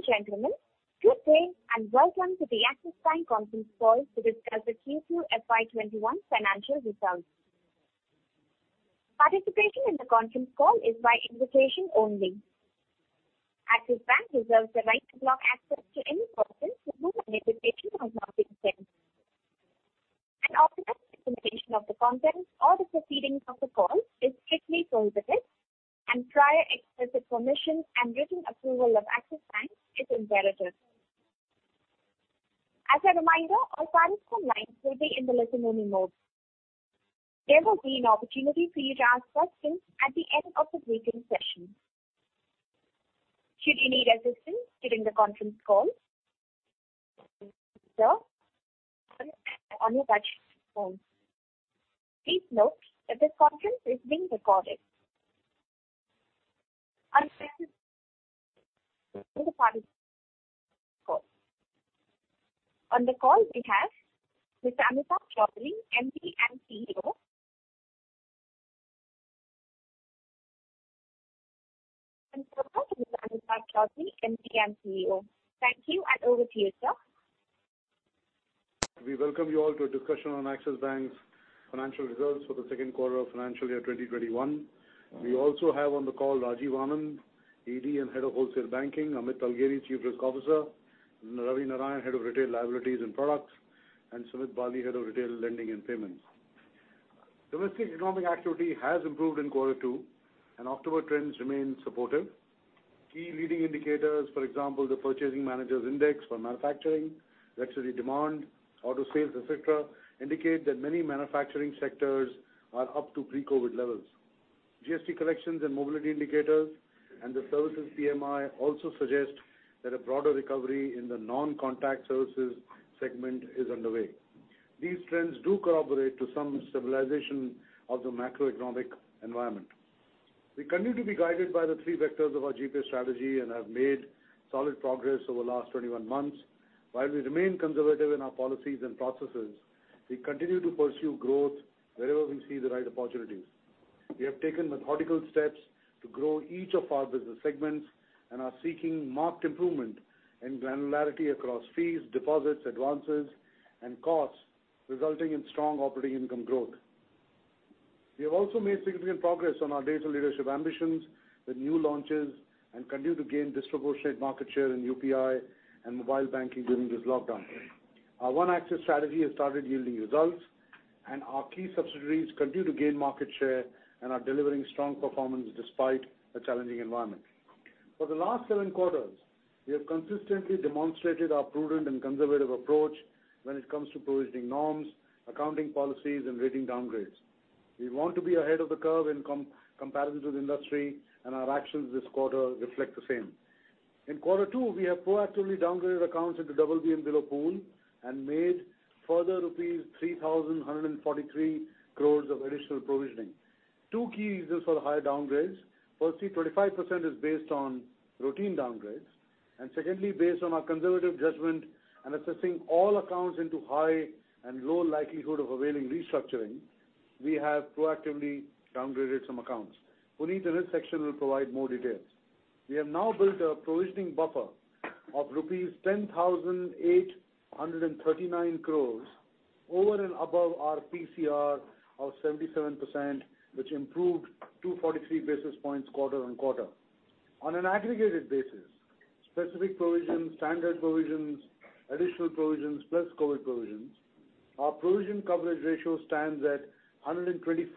Ladies and gentlemen, good day and welcome to the Axis Bank conference call to discuss the Q2 FY21 financial results. Participation in the conference call is by invitation only. Axis Bank reserves the right to block access to any person to whom an invitation has not been sent. Unauthorized dissemination of the contents or the proceedings of the call is strictly prohibited, and prior explicit permission and written approval of Axis Bank is imperative. As a reminder, all participant lines will be in the listen-only mode. There will be an opportunity for you to ask questions at the end of the briefing session. Should you need assistance during the conference call, please press star one on your touchtone phone. Please note that this conference is being recorded. On the call we have Mr. Amitabh Chaudhry, MD and CEO. Thank you and over to you, sir. We welcome you all to a discussion on Axis Bank's financial results for the second quarter of financial year 2021. We also have on the call Rajiv Anand, ED and Head of Wholesale Banking, Amit Talgeri, Chief Risk Officer, Ravi Narayanan, Head of Retail Liabilities and Products, and Sumit Bali, Head of Retail Lending and Payments. Domestic economic activity has improved in quarter two, and October trends remain supportive. Key leading indicators, for example, the Purchasing Managers Index for manufacturing, electricity demand, auto sales, etc., indicate that many manufacturing sectors are up to pre-COVID levels. GST collections and mobility indicators and the services PMI also suggest that a broader recovery in the non-contact services segment is underway. These trends do corroborate to some stabilization of the macroeconomic environment. We continue to be guided by the three vectors of our GPS Strategy and have made solid progress over the last 21 months. While we remain conservative in our policies and processes, we continue to pursue growth wherever we see the right opportunities. We have taken methodical steps to grow each of our business segments and are seeking marked improvement and granularity across fees, deposits, advances, and costs, resulting in strong operating income growth. We have also made significant progress on our data leadership ambitions with new launches and continue to gain disproportionate market share in UPI and mobile banking during this lockdown. Our One Axis strategy has started yielding results, and our key subsidiaries continue to gain market share and are delivering strong performance despite a challenging environment. For the last seven quarters, we have consistently demonstrated our prudent and conservative approach when it comes to provisioning norms, accounting policies, and rating downgrades. We want to be ahead of the curve in comparison to the industry, and our actions this quarter reflect the same. In quarter two, we have proactively downgraded accounts into BB and below pool and made further rupees 3,143 crores of additional provisioning. Two key reasons for the higher downgrades. Firstly, 25% is based on routine downgrades. Secondly, based on our conservative judgment and assessing all accounts into high and low likelihood of availing restructuring, we have proactively downgraded some accounts. Puneet in his section will provide more details. We have now built a provisioning buffer of rupees 10,839 crores over and above our PCR of 77%, which improved 243 basis points quarter-over-quarter. On an aggregated basis, specific provisions, standard provisions, additional provisions, plus COVID provisions, our provision coverage ratio stands at 124%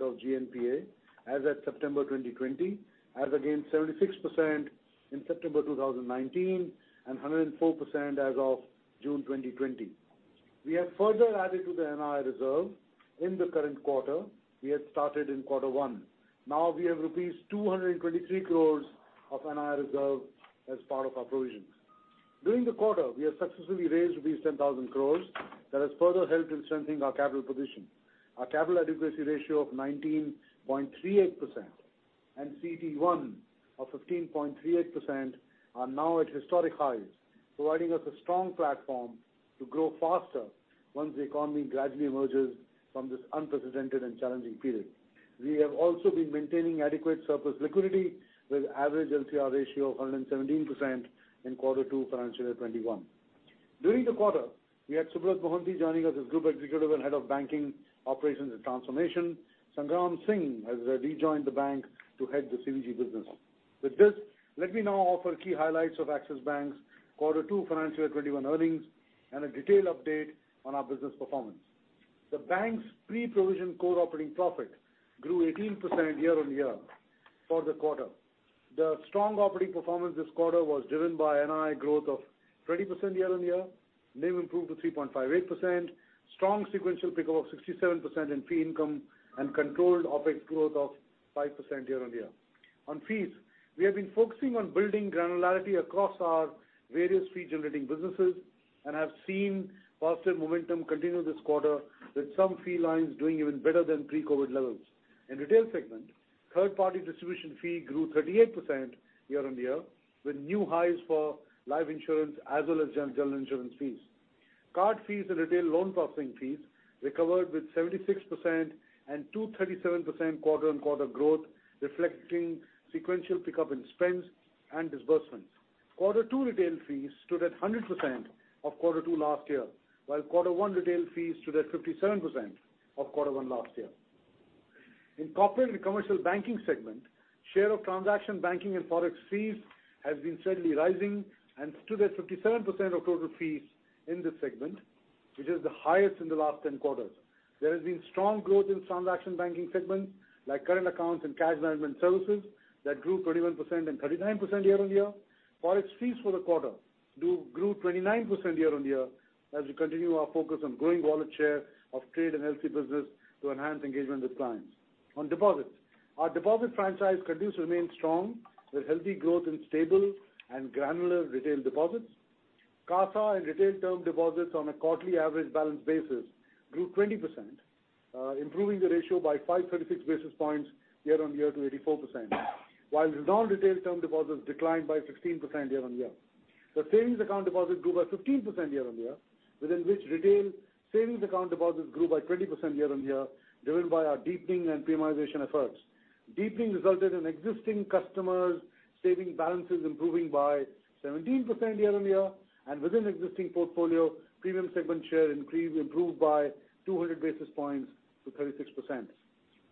of GNPA as of September 2020, as against 76% in September 2019, and 104% as of June 2020. We have further added to the NII reserve in the current quarter we had started in quarter one. Now we have rupees 223 crore of NII reserve as part of our provisions. During the quarter, we have successfully raised 10,000 crore that has further helped in strengthening our capital position. Our capital adequacy ratio of 19.38% and CET1 of 15.38% are now at historic highs, providing us a strong platform to grow faster once the economy gradually emerges from this unprecedented and challenging period. We have also been maintaining adequate surplus liquidity with an average LCR ratio of 117% in quarter two financial year 2021. During the quarter, we had Subrat Mohanty joining us as group executive and head of banking operations and transformation. Sangram Singh has rejoined the bank to head the CBG business. With this, let me now offer key highlights of Axis Bank's quarter two financial year 2021 earnings and a detailed update on our business performance. The bank's pre-provision core operating profit grew 18% year-on-year for the quarter. The strong operating performance this quarter was driven by NII growth of 20% year-on-year, NIM improved to 3.58%, strong sequential pickup of 67% in fee income, and controlled OPEX growth of 5% year-on-year. On fees, we have been focusing on building granularity across our various fee-generating businesses and have seen positive momentum continue this quarter with some fee lines doing even better than pre-COVID levels. In retail segment, third-party distribution fee grew 38% year-on-year with new highs for life insurance as well as general insurance fees. Card fees and retail loan processing fees recovered with 76% and 237% quarter-on-quarter growth, reflecting sequential pickup in spends and disbursements. Quarter two retail fees stood at 100% of quarter two last year, while quarter one retail fees stood at 57% of quarter one last year. In corporate and commercial banking segment, share of transaction banking and forex fees has been steadily rising and stood at 57% of total fees in this segment, which is the highest in the last 10 quarters. There has been strong growth in transaction banking segments like current accounts and cash management services that grew 21% and 39% year-on-year. Forex fees for the quarter grew 29% year-on-year as we continue our focus on growing wallet share of trade and LC business to enhance engagement with clients. On deposits, our deposit franchise continues to remain strong with healthy growth in stable and granular retail deposits. CASA and retail term deposits on a quarterly average balance basis grew 20%, improving the ratio by 536 basis points year-on-year to 84%, while non-retail term deposits declined by 16% year-on-year. The savings account deposits grew by 15% year-on-year, within which retail savings account deposits grew by 20% year-on-year driven by our deepening and premiumization efforts. Deepening resulted in existing customers' savings balances improving by 17% year-on-year, and within existing portfolio, premium segment share improved by 200 basis points to 36%.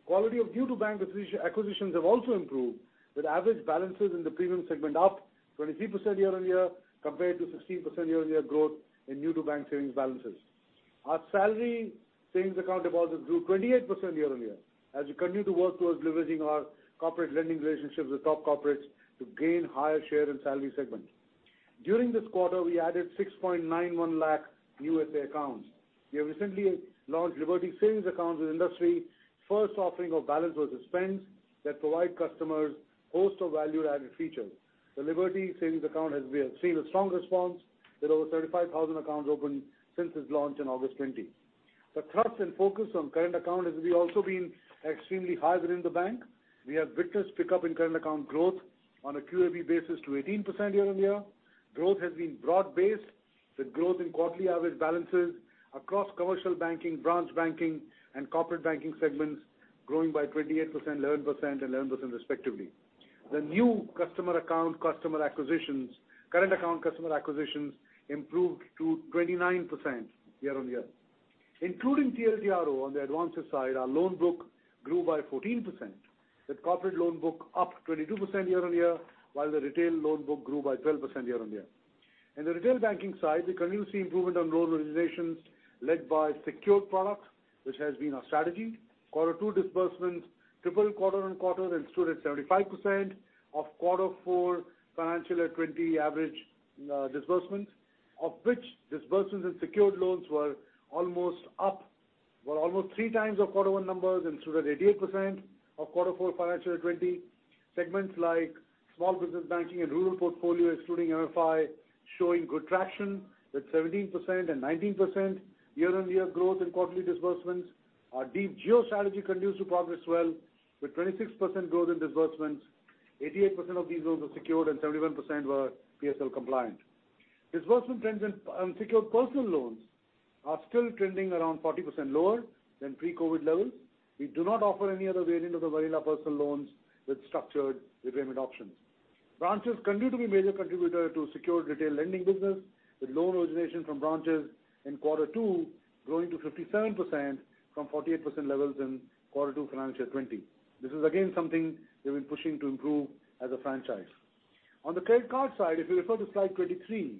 Quality of new-to-bank acquisitions has also improved, with average balances in the premium segment up 23% year-on-year compared to 16% year-on-year growth in new-to-bank savings balances. Our salary savings account deposits grew 28% year-on-year as we continue to work towards leveraging our corporate lending relationships with top corporates to gain higher share in salary segment. During this quarter, we added 691,000 new SA accounts. We have recently launched Liberty Savings Accounts with industry-first offering of balance versus spends that provide customers a host of value-added features. The Liberty Savings Account has seen a strong response with over 35,000 accounts opened since its launch in August 2020. The thrust and focus on current account has also been extremely high within the bank. We have witnessed pickup in current account growth on a QAB basis to 18% year-on-year. Growth has been broad-based with growth in quarterly average balances across commercial banking, branch banking, and corporate banking segments, growing by 28%, 11%, and 11% respectively. The new customer and current account customer acquisitions improved to 29% year-on-year. Including TLTRO on the advances side, our loan book grew by 14%, with corporate loan book up 22% year-on-year, while the retail loan book grew by 12% year-on-year. In the retail banking side, we continue to see improvement on loan originations led by secured products, which has been our strategy. Quarter two disbursements tripled quarter-on-quarter and stood at 75% of quarter four financial year 2020 average disbursements, of which disbursements in secured loans were almost three times our quarter one numbers and stood at 88% of quarter four financial year 2020. Segments like small business banking and rural portfolio, excluding MFI, showing good traction with 17% and 19% year-over-year growth in quarterly disbursements. Our Deep Geo strategy continues to progress well, with 26% growth in disbursements. 88% of these loans were secured and 71% were PSL compliant. Disbursement trends in unsecured personal loans are still trending around 40% lower than pre-COVID levels. We do not offer any other variant of the vanilla personal loans with structured repayment options. Branches continue to be a major contributor to secured retail lending business, with loan origination from branches in quarter two growing to 57% from 48% levels in quarter two financial year 2020. This is, again, something we've been pushing to improve as a franchise. On the credit card side, if you refer to slide 23,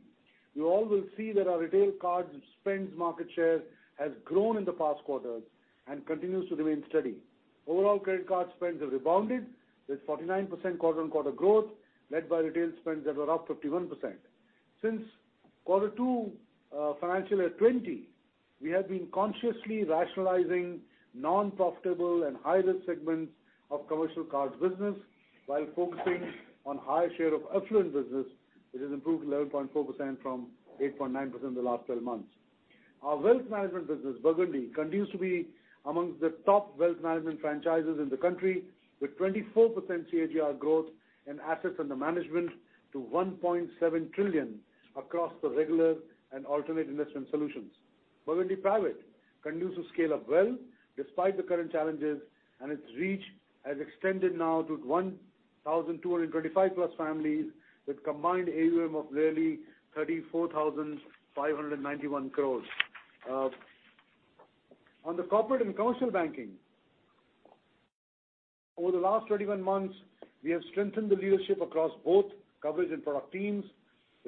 you all will see that our retail card spends market share has grown in the past quarters and continues to remain steady. Overall, credit card spends have rebounded with 49% quarter-on-quarter growth led by retail spends that were up 51%. Since quarter two financial year 2020, we have been consciously rationalizing non-profitable and high-risk segments of commercial cards business while focusing on higher share of affluent business, which has improved to 11.4% from 8.9% in the last 12 months. Our wealth management business, Burgundy, continues to be amongst the top wealth management franchises in the country, with 24% CAGR growth in assets under management to 1.7 trillion across the regular and alternate investment solutions. Burgundy Private continues to scale up well despite the current challenges, and its reach has extended now to 1,225-plus families with a combined AUM of nearly 34,591 crore. On the corporate and commercial banking, over the last 21 months, we have strengthened the leadership across both coverage and product teams,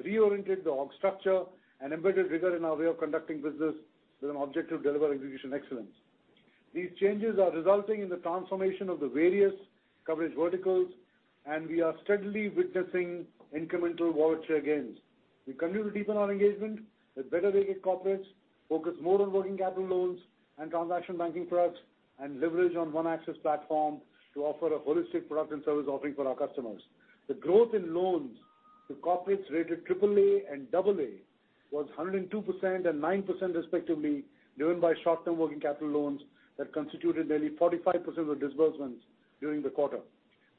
reoriented the org structure, and embedded rigor in our way of conducting business with an objective deliver execution excellence. These changes are resulting in the transformation of the various coverage verticals, and we are steadily witnessing incremental wallet share gains. We continue to deepen our engagement with better-rated corporates, focus more on working capital loans and transaction banking, forex, and leverage on One Axis platform to offer a holistic product and service offering for our customers. The growth in loans to corporates rated AAA and AA was 102% and 9% respectively, driven by short-term working capital loans that constituted nearly 45% of the disbursements during the quarter.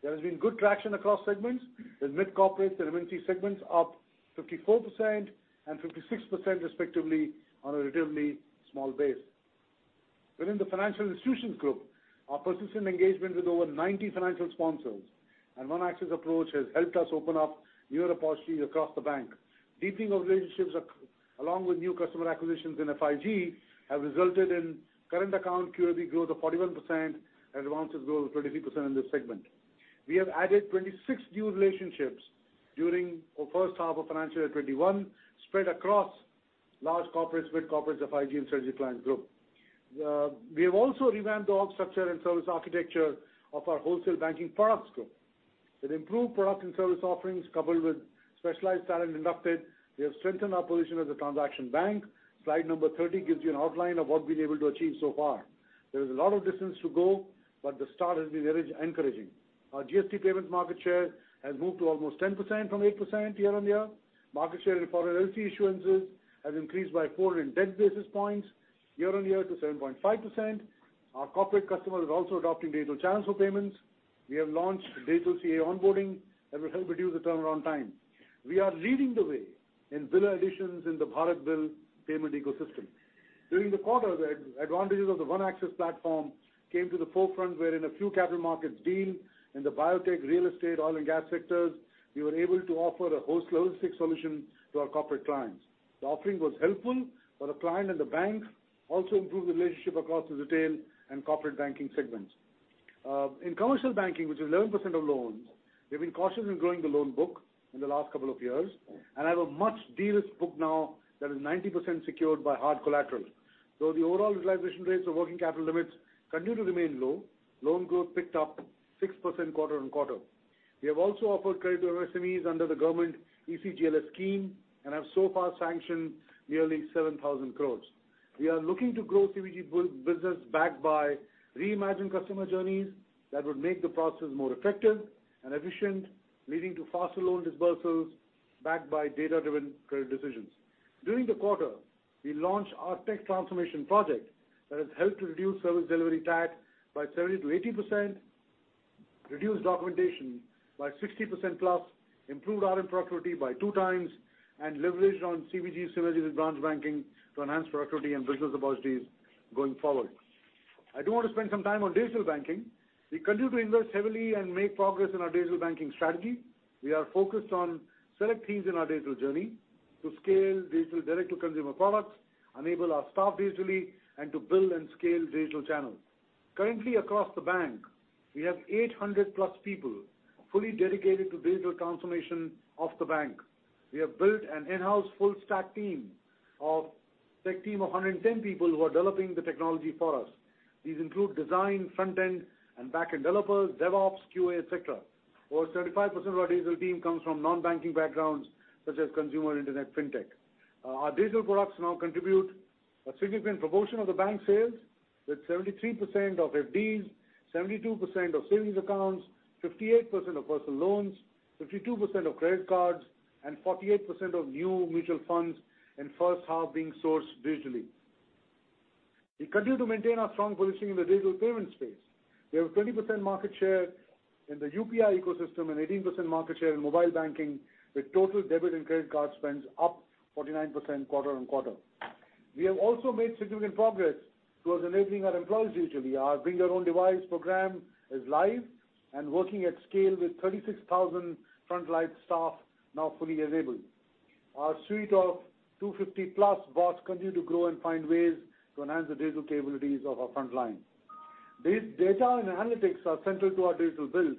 There has been good traction across segments, with mid-corporates and MNC segments up 54% and 56% respectively on a relatively small base. Within the financial institutions group, our persistent engagement with over 90 financial sponsors and One Axis approach has helped us open up newer opportunities across the bank. Deepening of relationships along with new customer acquisitions in FIG have resulted in current account QAB growth of 41% and advances growth of 23% in this segment. We have added 26 new relationships during the first half of financial year 2021, spread across large corporates, mid-corporates, FIG, and strategic clients group. We have also revamped the org structure and service architecture of our wholesale banking products group. With improved product and service offerings coupled with specialized talent inducted, we have strengthened our position as a transaction bank. Slide number 30 gives you an outline of what we've been able to achieve so far. There is a lot of distance to go, but the start has been encouraging. Our GST payments market share has moved to almost 10% from 8% year-on-year. Market share in foreign LC issuance has increased by 400 basis points year-on-year to 7.5%. Our corporate customers are also adopting digital channels for payments. We have launched digital CA onboarding that will help reduce the turnaround time. We are leading the way in bill additions in the Bharat Bill Payment System. During the quarter, the advantages of the One Axis platform came to the forefront where, in a few capital markets deals in the biotech, real estate, oil, and gas sectors, we were able to offer a holistic solution to our corporate clients. The offering was helpful for the client and the bank, also improved the relationship across the retail and corporate banking segments. In commercial banking, which is 11% of loans, we've been cautious in growing the loan book in the last couple of years, and have a much de-risked book now that is 90% secured by hard collateral. Though the overall utilization rates of working capital limits continue to remain low, loan growth picked up 6% quarter-over-quarter. We have also offered credit to MSMEs under the government ECLGS scheme and have so far sanctioned nearly 7,000 crore. We are looking to grow CBG business backed by reimagined customer journeys that would make the process more effective and efficient, leading to faster loan disbursals backed by data-driven credit decisions. During the quarter, we launched our tech transformation project that has helped to reduce service delivery time by 70%-80%, reduce documentation by 60% plus, improve RM productivity by two times, and leverage on CBG synergy with branch banking to enhance productivity and business opportunities going forward. I do want to spend some time on digital banking. We continue to invest heavily and make progress in our digital banking strategy. We are focused on select themes in our digital journey to scale digital direct-to-consumer products, enable our staff digitally, and to build and scale digital channels. Currently, across the bank, we have 800+ people fully dedicated to digital transformation of the bank. We have built an in-house full-stack team of a tech team of 110 people who are developing the technology for us. These include design, front-end, and back-end developers, DevOps, QA, etc. Over 75% of our digital team comes from non-banking backgrounds such as consumer internet fintech. Our digital products now contribute a significant proportion of the bank sales, with 73% of FDs, 72% of savings accounts, 58% of personal loans, 52% of credit cards, and 48% of new mutual funds in first-half being sourced digitally. We continue to maintain our strong position in the digital payment space. We have 20% market share in the UPI ecosystem and 18% market share in mobile banking, with total debit and credit card spends up 49% quarter-on-quarter. We have also made significant progress towards enabling our employees digitally. Our bring-your-own-device program is live and working at scale with 36,000 front-line staff now fully enabled. Our suite of 250+ bots continue to grow and find ways to enhance the digital capabilities of our front line. Data and analytics are central to our digital build.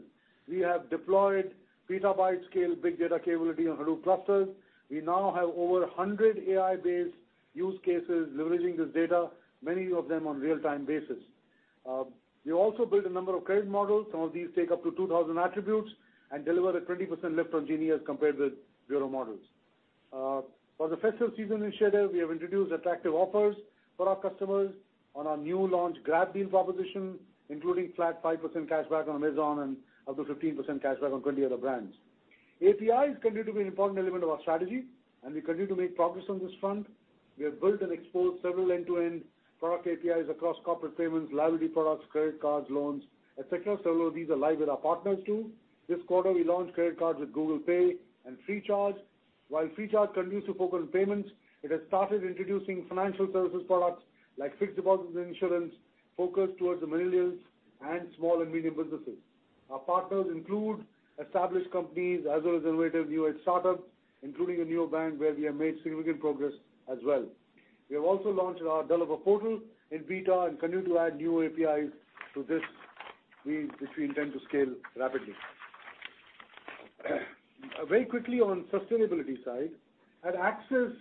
We have deployed petabyte-scale big data capability on Hadoop clusters. We now have over 100 AI-based use cases leveraging this data, many of them on a real-time basis. We also built a number of credit models. Some of these take up to 2,000 attributes and deliver a 20% lift on Gini compared with Bureau models. For the festive season initiative, we have introduced attractive offers for our customers on our new-launched Grab Deals proposition, including flat 5% cashback on Amazon and up to 15% cashback on 20 other brands. APIs continue to be an important element of our strategy, and we continue to make progress on this front. We have built and exposed several end-to-end product APIs across corporate payments, liability products, credit cards, loans, etc. Several of these are live with our partners too. This quarter, we launched credit cards with Google Pay and FreeCharge. While FreeCharge continues to focus on payments, it has started introducing financial services products like fixed deposits insurance focused towards the millennials and small and medium businesses. Our partners include established companies as well as innovative new-age startups, including a neobank where we have made significant progress as well. We have also launched our Developer Portal in beta and continue to add new APIs to this, which we intend to scale rapidly. Very quickly on the sustainability side, at Axis,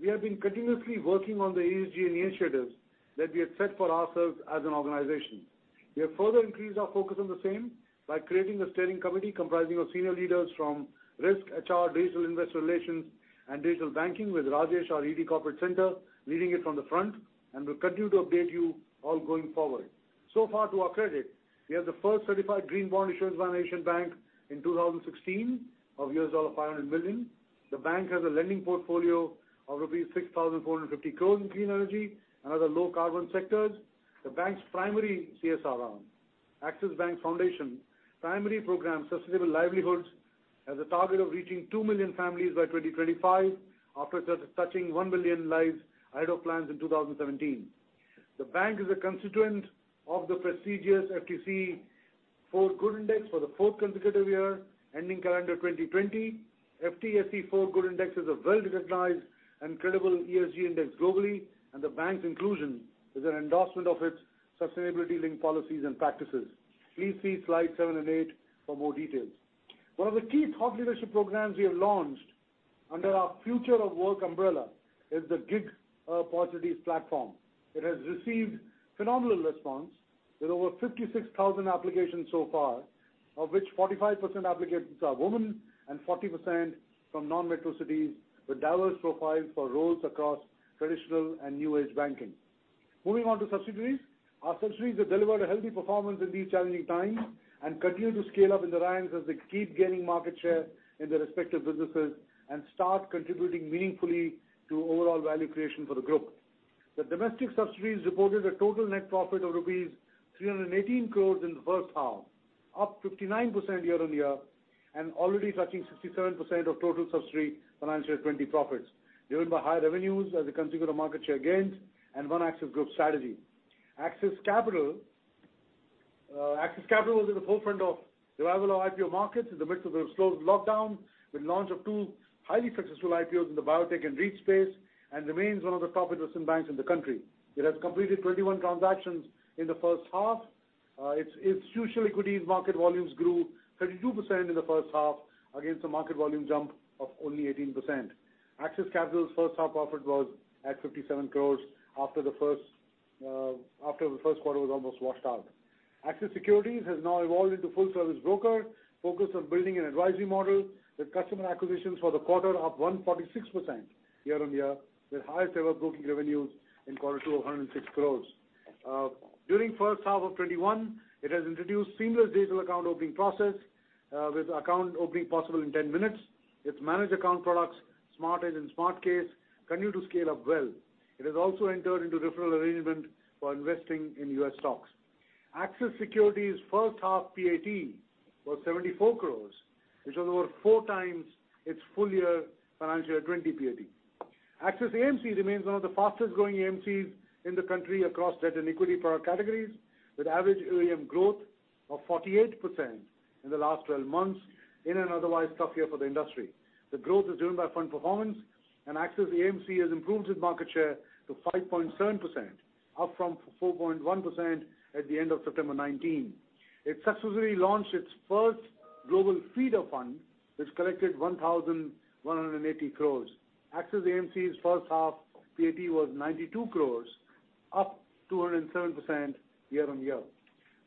we have been continuously working on the ESG initiatives that we have set for ourselves as an organization. We have further increased our focus on the same by creating a steering committee comprising of senior leaders from risk, HR, digital investor relations, and digital banking, with Rajesh, our ED, Corporate Center, leading it from the front, and will continue to update you all going forward. So far to our credit, we have the first certified green bond issuance by an Asian bank in 2016 of $500 million. The bank has a lending portfolio of rupees 6,450 crore in clean energy and other low-carbon sectors. The bank's primary CSR on Axis Bank Foundation's primary program, Sustainable Livelihoods, has a target of reaching 2 million families by 2025 after touching 1 million lives out of plans in 2017. The bank is a constituent of the prestigious FTSE4Good Index for the fourth consecutive year ending calendar 2020. FTSE4Good Index is a well-recognized and credible ESG index globally, and the bank's inclusion is an endorsement of its sustainability-linked policies and practices. Please see slides 7 and 8 for more details. One of the key thought leadership programs we have launched under our Future of Work umbrella is the Gig-a-Opportunities platform. It has received phenomenal response with over 56,000 applications so far, of which 45% applications are women and 40% from non-metro cities with diverse profiles for roles across traditional and new-age banking. Moving on to subsidiaries, our subsidiaries have delivered a healthy performance in these challenging times and continue to scale up in the ranks as they keep gaining market share in their respective businesses and start contributing meaningfully to overall value creation for the group. The domestic subsidiaries reported a total net profit of rupees 318 crores in the first half, up 59% year-on-year and already touching 67% of total subsidiaries financial year 2020 profits, driven by high revenues as a constituent of market share gains and One Axis Group's strategy. Axis Capital was at the forefront of revival of IPO markets in the midst of the slow lockdown with the launch of 2 highly successful IPOs in the biotech and REIT space and remains one of the top investment banks in the country. It has completed 21 transactions in the first half. Its future equities market volumes grew 32% in the first half against a market volume jump of only 18%. Axis Capital's first-half profit was at 57 crores after the first quarter was almost washed out. Axis Securities has now evolved into a full-service broker focused on building an advisory model with customer acquisitions for the quarter up 146% year-on-year with highest-ever broking revenues in quarter two of 106 crore. During the first half of 2021, it has introduced a seamless digital account opening process with account opening possible in 10 minutes. Its managed account products, Smart Edge and smallcase, continue to scale up well. It has also entered into a referral arrangement for investing in US stocks. Axis Securities' first-half PAT was 74 crore, which was over four times its full-year financial year 2020 PAT. Axis AMC remains one of the fastest-growing AMCs in the country across debt and equity product categories, with average AUM growth of 48% in the last 12 months in an otherwise tough year for the industry. The growth is driven by fund performance, and Axis AMC has improved its market share to 5.7%, up from 4.1% at the end of September 2019. It successfully launched its first global feeder fund, which collected 1,180 crore. Axis AMC's first-half PAT was 92 crore, up 207% year-on-year.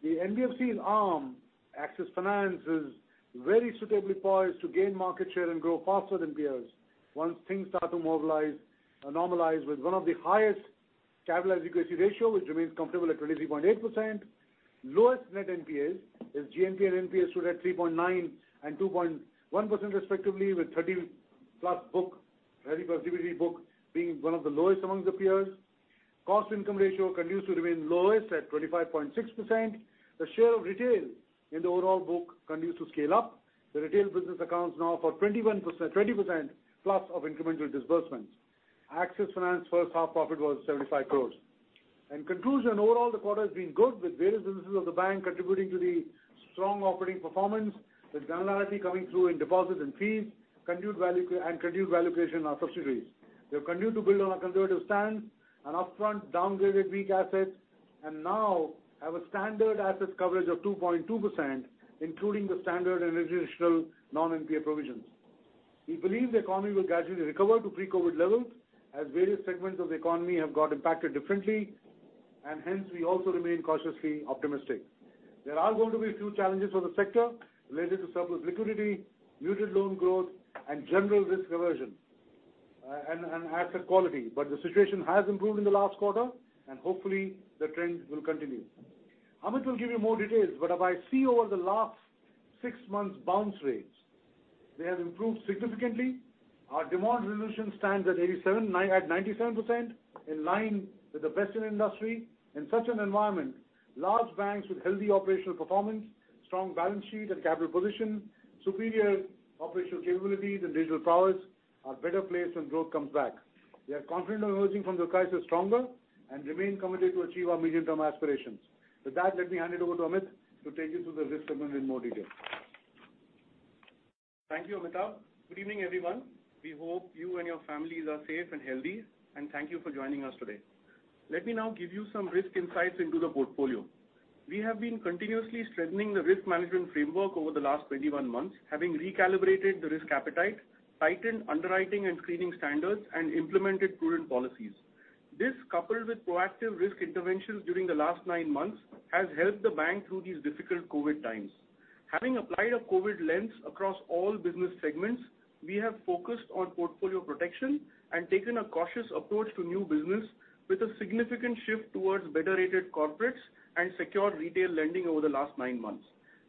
The NBFC's arm, Axis Finance, is very suitably poised to gain market share and grow faster than peers once things start to normalize with one of the highest capital adequacy ratios, which remains comfortable at 20.8%. Lowest net NPAs; GNPA and NNPA stood at 3.9% and 2.1% respectively, with 30+ DPD book being one of the lowest amongst the peers. Cost-to-income ratio continues to remain lowest at 25.6%. The share of retail in the overall book continues to scale up. The retail business accounts now for 20%+ of incremental disbursements. Axis Finance's first-half profit was 75 crore. In conclusion, overall, the quarter has been good with various businesses of the bank contributing to the strong operating performance, with granularity coming through in deposits and fees, and continued valuation on subsidiaries. They have continued to build on a conservative stance and upfront downgraded weak assets and now have a standard assets coverage of 2.2%, including the standard and institutional non-NPA provisions. We believe the economy will gradually recover to pre-COVID levels as various segments of the economy have got impacted differently, and hence, we also remain cautiously optimistic. There are going to be a few challenges for the sector related to surplus liquidity, muted loan growth, and general risk aversion and asset quality, but the situation has improved in the last quarter, and hopefully, the trend will continue. Amit will give you more details, but if I see over the last six months' bounce rates, they have improved significantly. Our demand resolution stands at 97%, in line with the best in the industry. In such an environment, large banks with healthy operational performance, strong balance sheet and capital position, superior operational capabilities, and digital powers are better placed when growth comes back. We are confident of emerging from the crisis stronger and remain committed to achieving our medium-term aspirations. With that, let me hand it over to Amit to take you through the risk segment in more detail. Thank you, Amitabh. Good evening, everyone. We hope you and your families are safe and healthy, and thank you for joining us today. Let me now give you some risk insights into the portfolio. We have been continuously strengthening the risk management framework over the last 21 months, having recalibrated the risk appetite, tightened underwriting and screening standards, and implemented prudent policies. This, coupled with proactive risk interventions during the last 9 months, has helped the bank through these difficult COVID times. Having applied a COVID lens across all business segments, we have focused on portfolio protection and taken a cautious approach to new business with a significant shift towards better-rated corporates and secure retail lending over the last 9 months.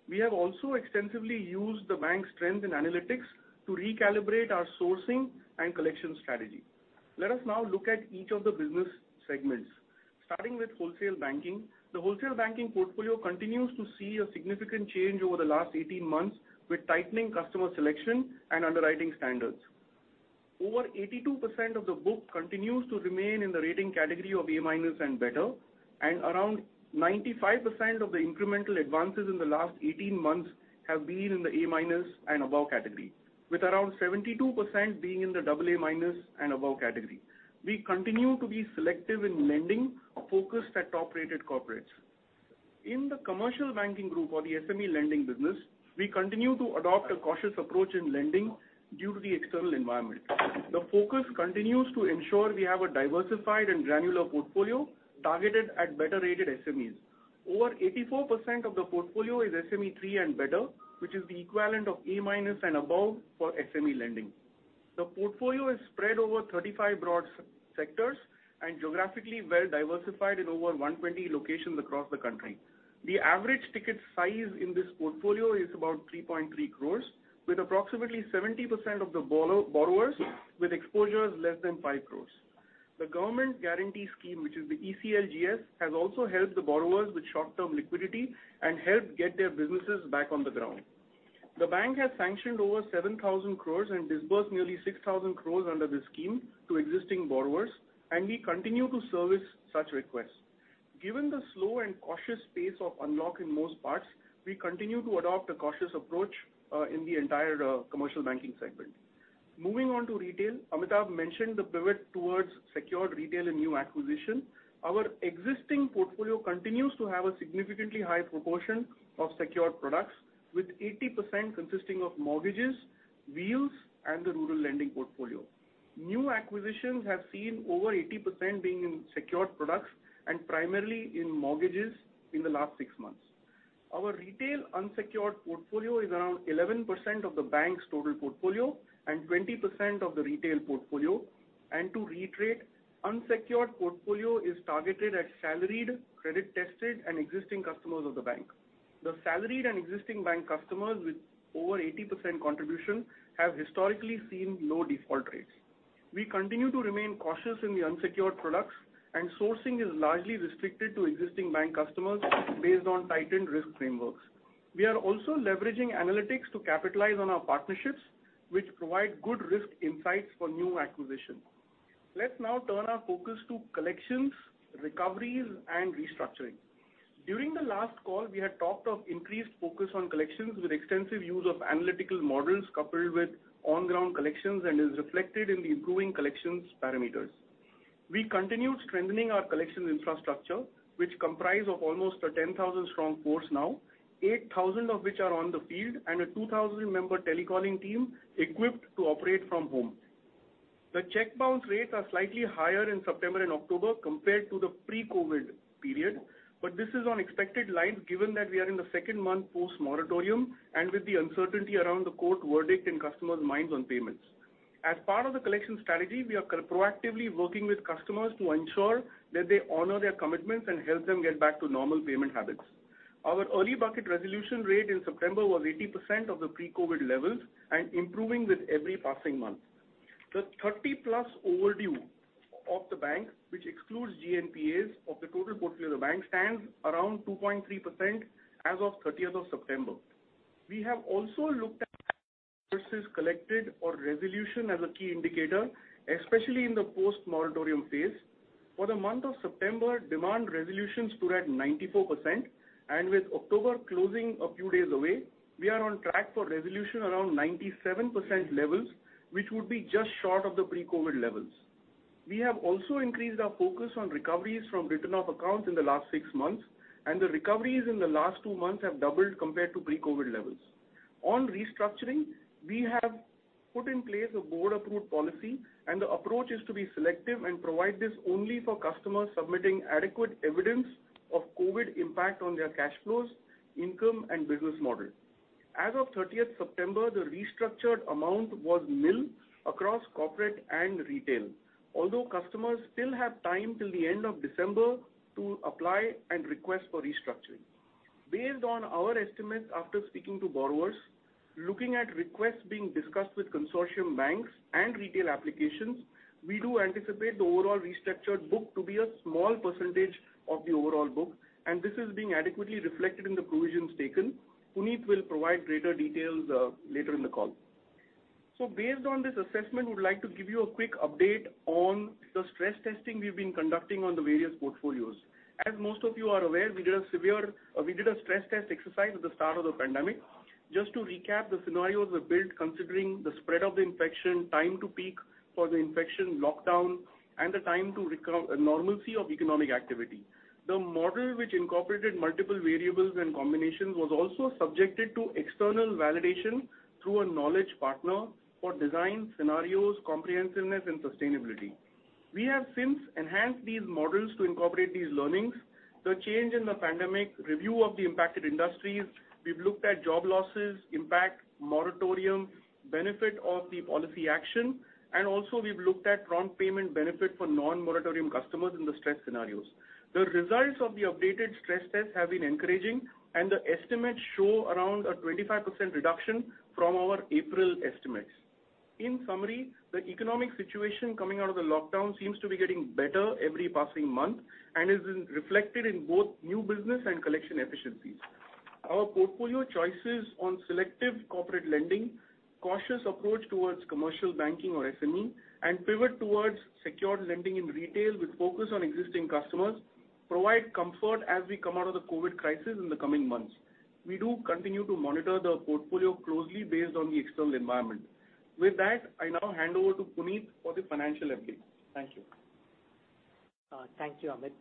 We have also extensively used the bank's strength in analytics to recalibrate our sourcing and collection strategy. Let us now look at each of the business segments. Starting with Wholesale Banking, the Wholesale Banking portfolio continues to see a significant change over the last 18 months with tightening customer selection and underwriting standards. Over 82% of the book continues to remain in the rating category of A-minus and better, and around 95% of the incremental advances in the last 18 months have been in the A-minus and above category, with around 72% being in the AA-minus and above category. We continue to be selective in lending, focused at top-rated corporates. In the Commercial Banking Group, or the SME lending business, we continue to adopt a cautious approach in lending due to the external environment. The focus continues to ensure we have a diversified and granular portfolio targeted at better-rated SMEs. Over 84% of the portfolio is SME 3 and better, which is the equivalent of A-minus and above for SME lending. The portfolio is spread over 35 broad sectors and geographically well-diversified in over 120 locations across the country. The average ticket size in this portfolio is about 3.3 crore, with approximately 70% of the borrowers with exposures less than 5 crore. The government guarantee scheme, which is the ECLGS, has also helped the borrowers with short-term liquidity and helped get their businesses back on the ground. The bank has sanctioned over 7,000 crore and disbursed nearly 6,000 crore under this scheme to existing borrowers, and we continue to service such requests. Given the slow and cautious pace of unlock in most parts, we continue to adopt a cautious approach in the entire commercial banking segment. Moving on to retail, Amitabh mentioned the pivot towards secured retail and new acquisition. Our existing portfolio continues to have a significantly high proportion of secured products, with 80% consisting of mortgages, Wheels, and the rural lending portfolio. New acquisitions have seen over 80% being in secured products and primarily in mortgages in the last six months. Our retail unsecured portfolio is around 11% of the bank's total portfolio and 20% of the retail portfolio. To reiterate, unsecured portfolio is targeted at salaried, credit-tested, and existing customers of the bank. The salaried and existing bank customers with over 80% contribution have historically seen low default rates. We continue to remain cautious in the unsecured products, and sourcing is largely restricted to existing bank customers based on tightened risk frameworks. We are also leveraging analytics to capitalize on our partnerships, which provide good risk insights for new acquisitions. Let's now turn our focus to collections, recoveries, and restructuring. During the last call, we had talked of increased focus on collections with extensive use of analytical models coupled with on-ground collections and is reflected in the improving collections parameters. We continue strengthening our collections infrastructure, which comprises almost 10,000 strong forces now, 8,000 of which are on the field, and a 2,000-member telecalling team equipped to operate from home. The check bounce rates are slightly higher in September and October compared to the pre-COVID period, but this is on expected lines given that we are in the second month post-moratorium and with the uncertainty around the court verdict and customers' minds on payments. As part of the collection strategy, we are proactively working with customers to ensure that they honor their commitments and help them get back to normal payment habits. Our early bucket resolution rate in September was 80% of the pre-COVID levels and improving with every passing month. The 30-plus overdue of the bank, which excludes GNPAs of the total portfolio of the bank, stands around 2.3% as of 30th of September. We have also looked at collections collected or resolution as a key indicator, especially in the post-moratorium phase. For the month of September, demand resolutions stood at 94%, and with October closing a few days away, we are on track for resolution around 97% levels, which would be just short of the pre-COVID levels. We have also increased our focus on recoveries from written-off accounts in the last six months, and the recoveries in the last two months have doubled compared to pre-COVID levels. On restructuring, we have put in place a board-approved policy, and the approach is to be selective and provide this only for customers submitting adequate evidence of COVID impact on their cash flows, income, and business model. As of 30th September, the restructured amount was nil across corporate and retail, although customers still have time till the end of December to apply and request for restructuring. Based on our estimates after speaking to borrowers, looking at requests being discussed with consortium banks and retail applications, we do anticipate the overall restructured book to be a small percentage of the overall book, and this is being adequately reflected in the provisions taken. Puneet will provide greater details later in the call. So based on this assessment, I would like to give you a quick update on the stress testing we've been conducting on the various portfolios. As most of you are aware, we did a severe stress test exercise at the start of the pandemic. Just to recap, the scenarios were built considering the spread of the infection, time to peak for the infection lockdown, and the time to normalcy of economic activity. The model, which incorporated multiple variables and combinations, was also subjected to external validation through a knowledge partner for design scenarios, comprehensiveness, and sustainability. We have since enhanced these models to incorporate these learnings. The change in the pandemic review of the impacted industries, we've looked at job losses impact, moratorium benefit of the policy action, and also we've looked at prompt payment benefit for non-moratorium customers in the stress scenarios. The results of the updated stress test have been encouraging, and the estimates show around a 25% reduction from our April estimates. In summary, the economic situation coming out of the lockdown seems to be getting better every passing month and is reflected in both new business and collection efficiencies. Our portfolio choices on selective corporate lending, cautious approach towards commercial banking or SME, and pivot towards secured lending in retail with focus on existing customers provide comfort as we come out of the COVID crisis in the coming months. We do continue to monitor the portfolio closely based on the external environment. With that, I now hand over to Puneet for the financial update. Thank you. Thank you, Amit.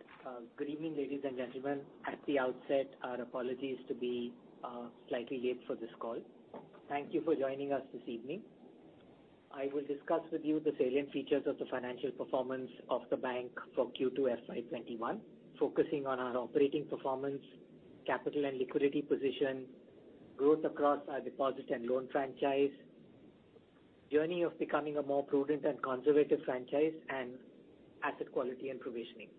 Good evening, ladies and gentlemen. At the outset, our apologies to be slightly late for this call. Thank you for joining us this evening. I will discuss with you the salient features of the financial performance of the bank for Q2 FY21, focusing on our operating performance, capital and liquidity position, growth across our deposit and loan franchise, journey of becoming a more prudent and conservative franchise, and asset quality and provisioning.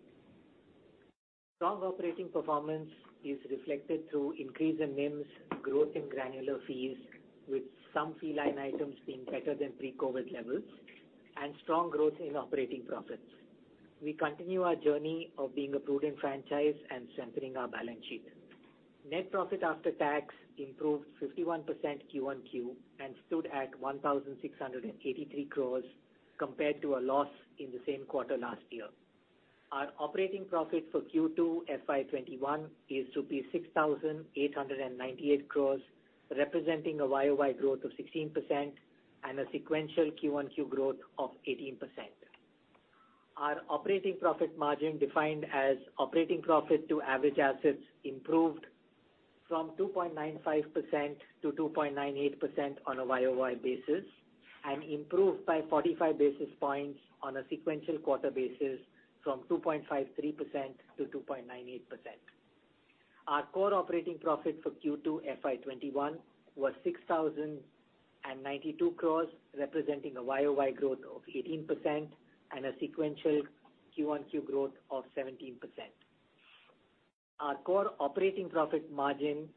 Strong operating performance is reflected through increase in NIM, growth in granular fees, with some fee line items being better than pre-COVID levels, and strong growth in operating profits. We continue our journey of being a prudent franchise and strengthening our balance sheet. Net profit after tax improved 51% QoQ and stood at 1,683 crores compared to a loss in the same quarter last year. Our operating profit for Q2 FY21 is 6,898 crores, representing a YOY growth of 16% and a sequential QoQ growth of 18%. Our operating profit margin, defined as operating profit to average assets, improved from 2.95%-2.98% on a YOY basis and improved by 45 basis points on a sequential quarter basis from 2.53%-2.98%. Our core operating profit for Q2 FY21 was 6,092 crores, representing a YOY growth of 18% and a sequential QoQ growth of 17%. Our core operating profit margin,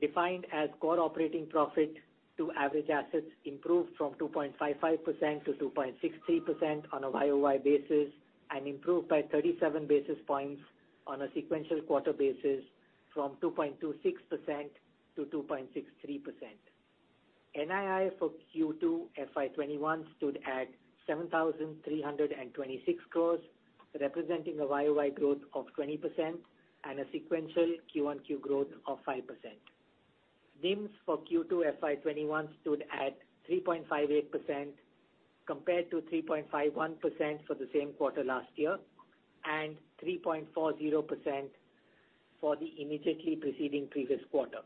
defined as core operating profit to average assets, improved from 2.55%-2.63% on a YOY basis and improved by 37 basis points on a sequential quarter basis from 2.26%-2.63%. NII for Q2 FY21 stood at 7,326 crore, representing a YOY growth of 20% and a sequential QoQ growth of 5%. NIM for Q2 FY21 stood at 3.58% compared to 3.51% for the same quarter last year and 3.40% for the immediately preceding previous quarter.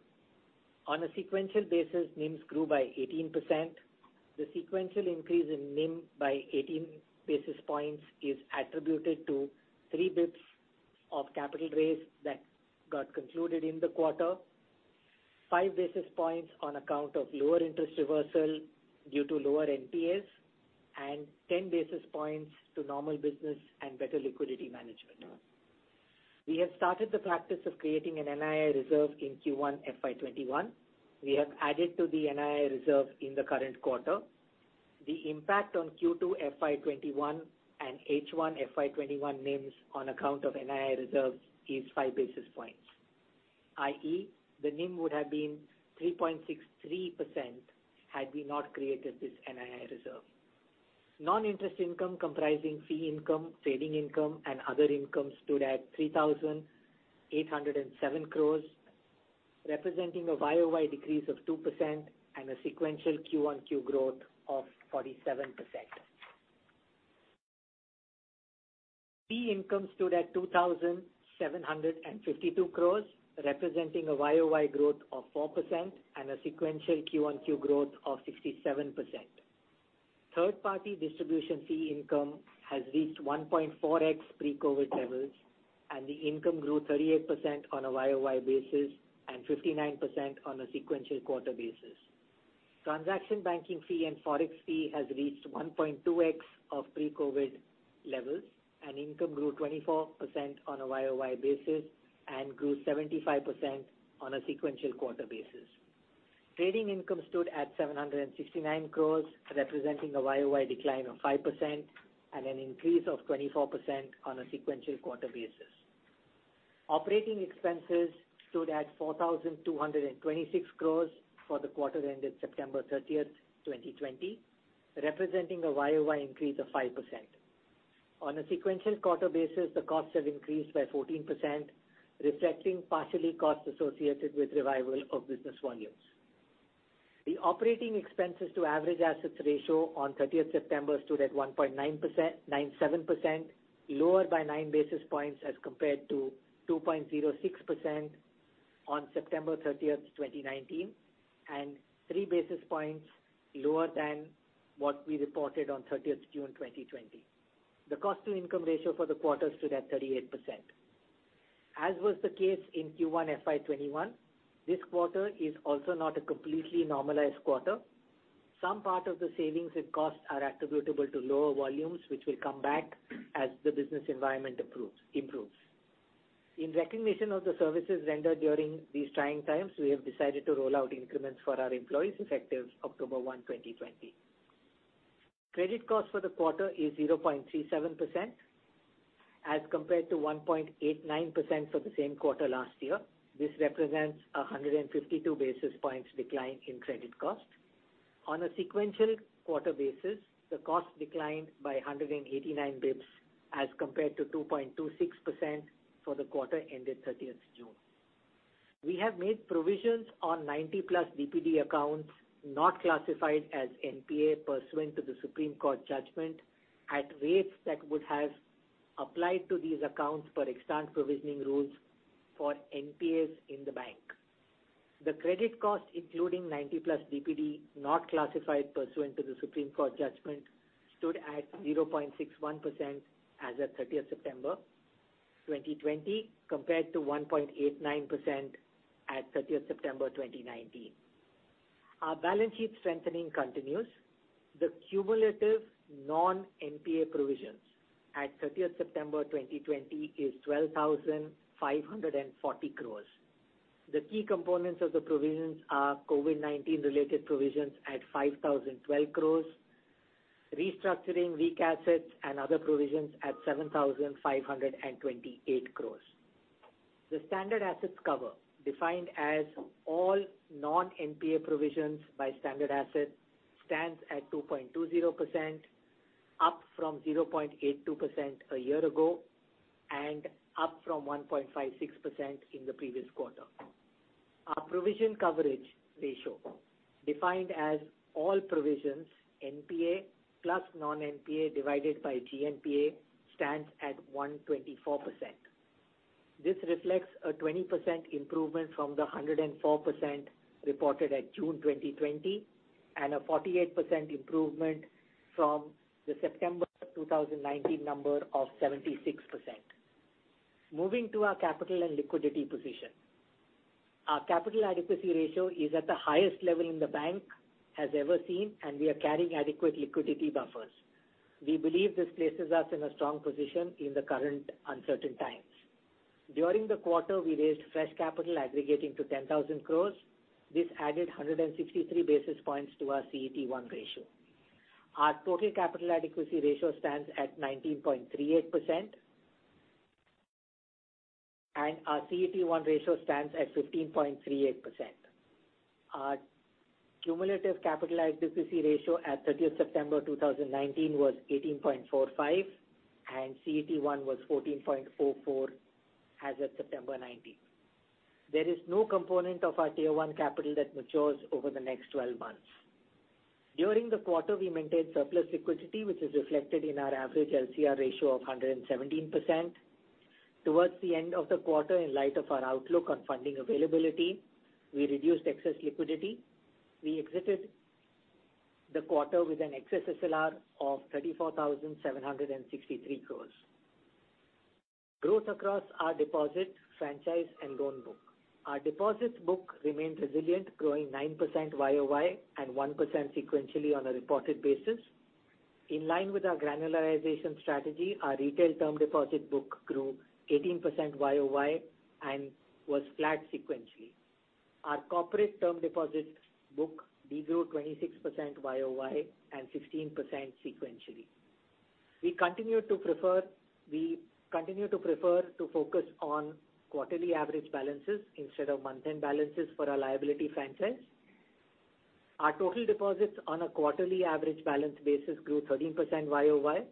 On a sequential basis, NIM grew by 18%. The sequential increase in NIM by 18 basis points is attributed to three bps of capital raise that got concluded in the quarter, five basis points on account of lower interest reversal due to lower NPAs, and 10 basis points to normal business and better liquidity management. We have started the practice of creating an NII reserve in Q1 FY21. We have added to the NII reserve in the current quarter. The impact on Q2 FY21 and H1 FY21 NIM on account of NII reserves is five basis points, i.e., the NIM would have been 3.63% had we not created this NII reserve. Non-interest income comprising fee income, trading income, and other incomes stood at 3,807 crores, representing a YOY decrease of 2% and a sequential QoQ growth of 47%. Fee income stood at 2,752 crores, representing a YOY growth of 4% and a sequential QoQ growth of 67%. Third-party distribution fee income has reached 1.4X pre-COVID levels, and the income grew 38% on a YOY basis and 59% on a sequential quarter basis. Transaction banking fee and forex fee have reached 1.2X of pre-COVID levels, and income grew 24% on a YOY basis and grew 75% on a sequential quarter basis. Trading income stood at 769 crores, representing a YOY decline of 5% and an increase of 24% on a sequential quarter basis. Operating expenses stood at 4,226 crores for the quarter ended September 30th, 2020, representing a YOY increase of 5%. On a sequential quarter basis, the costs have increased by 14%, reflecting partially costs associated with revival of business volumes. The operating expenses to average assets ratio on 30th September stood at 1.97%, lower by 9 basis points as compared to 2.06% on September 30th, 2019, and 3 basis points lower than what we reported on 30th June, 2020. The cost-to-income ratio for the quarter stood at 38%. As was the case in Q1 FY21, this quarter is also not a completely normalized quarter. Some part of the savings and costs are attributable to lower volumes, which will come back as the business environment improves. In recognition of the services rendered during these trying times, we have decided to roll out increments for our employees effective October 1, 2020. Credit cost for the quarter is 0.37% as compared to 1.89% for the same quarter last year. This represents a 152 basis points decline in credit cost. On a sequential quarter basis, the cost declined by 189 bps as compared to 2.26% for the quarter ended 30th June. We have made provisions on 90-plus DPD accounts not classified as NPA pursuant to the Supreme Court judgment at rates that would have applied to these accounts per extant provisioning rules for NPAs in the bank. The credit cost, including 90-plus DPD not classified pursuant to the Supreme Court judgment, stood at 0.61% as of 30th September, 2020, compared to 1.89% at 30th September, 2019. Our balance sheet strengthening continues. The cumulative non-NPA provisions at 30th September, 2020, is 12,540 crore. The key components of the provisions are COVID-19-related provisions at 5,012 crore, restructuring weak assets, and other provisions at 7,528 crore. The standard assets cover, defined as all non-NPA provisions by standard asset, stands at 2.20%, up from 0.82% a year ago and up from 1.56% in the previous quarter. Our provision coverage ratio, defined as all provisions NPA plus non-NPA divided by GNPA, stands at 124%. This reflects a 20% improvement from the 104% reported at June 2020 and a 48% improvement from the September 2019 number of 76%. Moving to our capital and liquidity position, our capital adequacy ratio is at the highest level in the bank has ever seen, and we are carrying adequate liquidity buffers. We believe this places us in a strong position in the current uncertain times. During the quarter, we raised fresh capital aggregating to 10,000 crore. This added 163 basis points to our CET1 ratio. Our total capital adequacy ratio stands at 19.38%, and our CET1 ratio stands at 15.38%. Our cumulative capital adequacy ratio at 30th September, 2019, was 18.45, and CET1 was 14.04 as of September 19th. There is no component of our Tier 1 capital that matures over the next 12 months. During the quarter, we maintained surplus liquidity, which is reflected in our average LCR ratio of 117%. Towards the end of the quarter, in light of our outlook on funding availability, we reduced excess liquidity. We exited the quarter with an excess SLR of 34,763 crore. Growth across our deposit, franchise, and loan book. Our deposit book remained resilient, growing 9% YOY and 1% sequentially on a reported basis. In line with our granularization strategy, our retail term deposit book grew 18% YOY and was flat sequentially. Our corporate term deposit book degrew 26% YOY and 16% sequentially. We continue to prefer to focus on quarterly average balances instead of month-end balances for our liability franchise. Our total deposits on a quarterly average balance basis grew 13% YOY.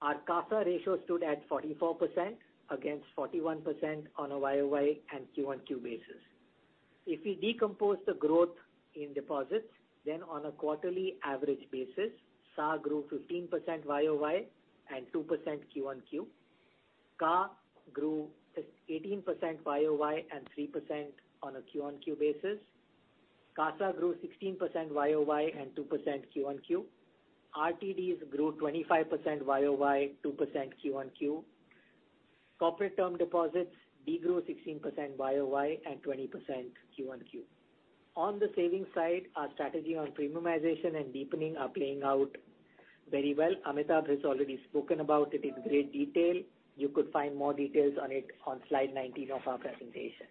Our CASA ratio stood at 44% against 41% on a YOY and QoQ basis. If we decompose the growth in deposits, then on a quarterly average basis, SA grew 15% YOY and 2% QoQ. CA grew 18% YOY and 3% on a QoQ basis. CASA grew 16% YOY and 2% QoQ. RTDs grew 25% YOY, 2% QoQ. Corporate term deposits degrew 16% YOY and 20% QoQ. On the savings side, our strategy on premiumization and deepening are playing out very well. Amitabh has already spoken about it in great detail. You could find more details on it on slide 19 of our presentation.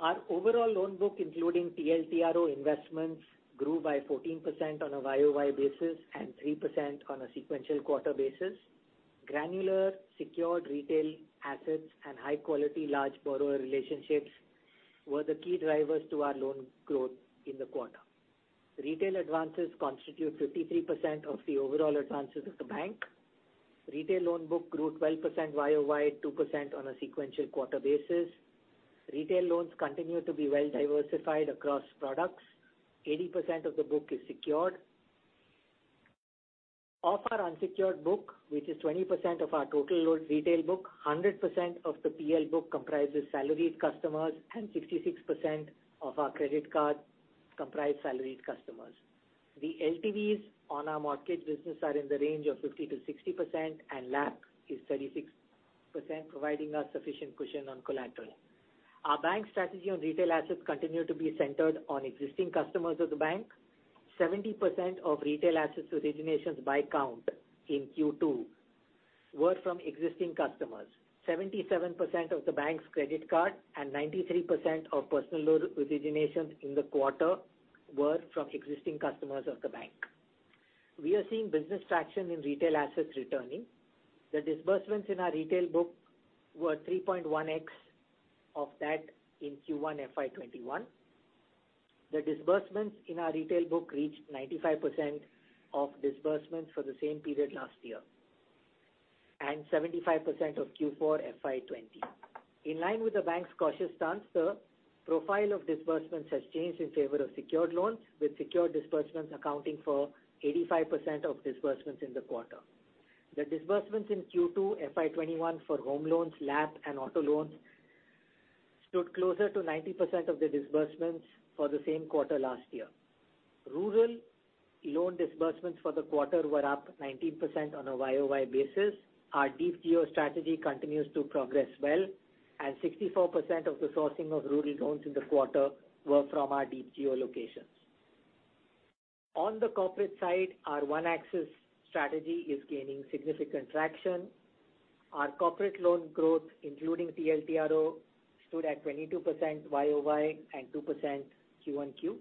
Our overall loan book, including TLTRO investments, grew by 14% on a YOY basis and 3% on a sequential quarter basis. Granular, secured retail assets, and high-quality large borrower relationships were the key drivers to our loan growth in the quarter. Retail advances constitute 53% of the overall advances of the bank. Retail loan book grew 12% YOY, 2% on a sequential quarter basis. Retail loans continue to be well diversified across products. 80% of the book is secured. Of our unsecured book, which is 20% of our total retail book, 100% of the PL book comprises salaried customers, and 66% of our credit card comprise salaried customers. The LTVs on our mortgage business are in the range of 50%-60%, and LAP is 36%, providing us sufficient cushion on collateral. Our bank strategy on retail assets continues to be centered on existing customers of the bank. 70% of retail assets originations by count in Q2 were from existing customers. 77% of the bank's credit card and 93% of personal loan originations in the quarter were from existing customers of the bank. We are seeing business traction in retail assets returning. The disbursements in our retail book were 3.1x of that in Q1 FY 2021. The disbursements in our retail book reached 95% of disbursements for the same period last year and 75% of Q4 FY 2020. In line with the bank's cautious stance, the profile of disbursements has changed in favor of secured loans, with secured disbursements accounting for 85% of disbursements in the quarter. The disbursements in Q2 FY21 for home loans, LAP, and auto loans stood closer to 90% of the disbursements for the same quarter last year. Rural loan disbursements for the quarter were up 19% on a YOY basis. Our Deep Geo strategy continues to progress well, and 64% of the sourcing of rural loans in the quarter were from our Deep Geo locations. On the corporate side, our One Axis strategy is gaining significant traction. Our corporate loan growth, including TLTRO, stood at 22% YOY and 2% QoQ.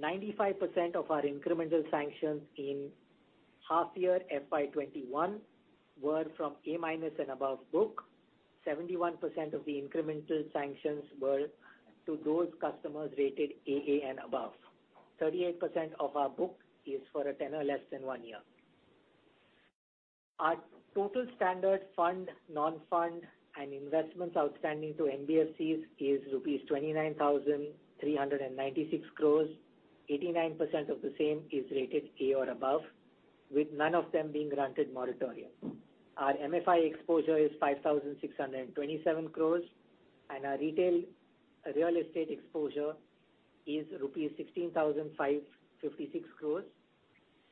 95% of our incremental sanctions in half-year FY21 were from A-minus and above book. 71% of the incremental sanctions were to those customers rated AA and above. 38% of our book is for a tenor less than one year. Our total standard fund, non-fund, and investments outstanding to MBFCs is rupees 29,396 crores. 89% of the same is rated A or above, with none of them being granted moratorium. Our MFI exposure is 5,627 crore, and our retail real estate exposure is rupees 16,556 crore,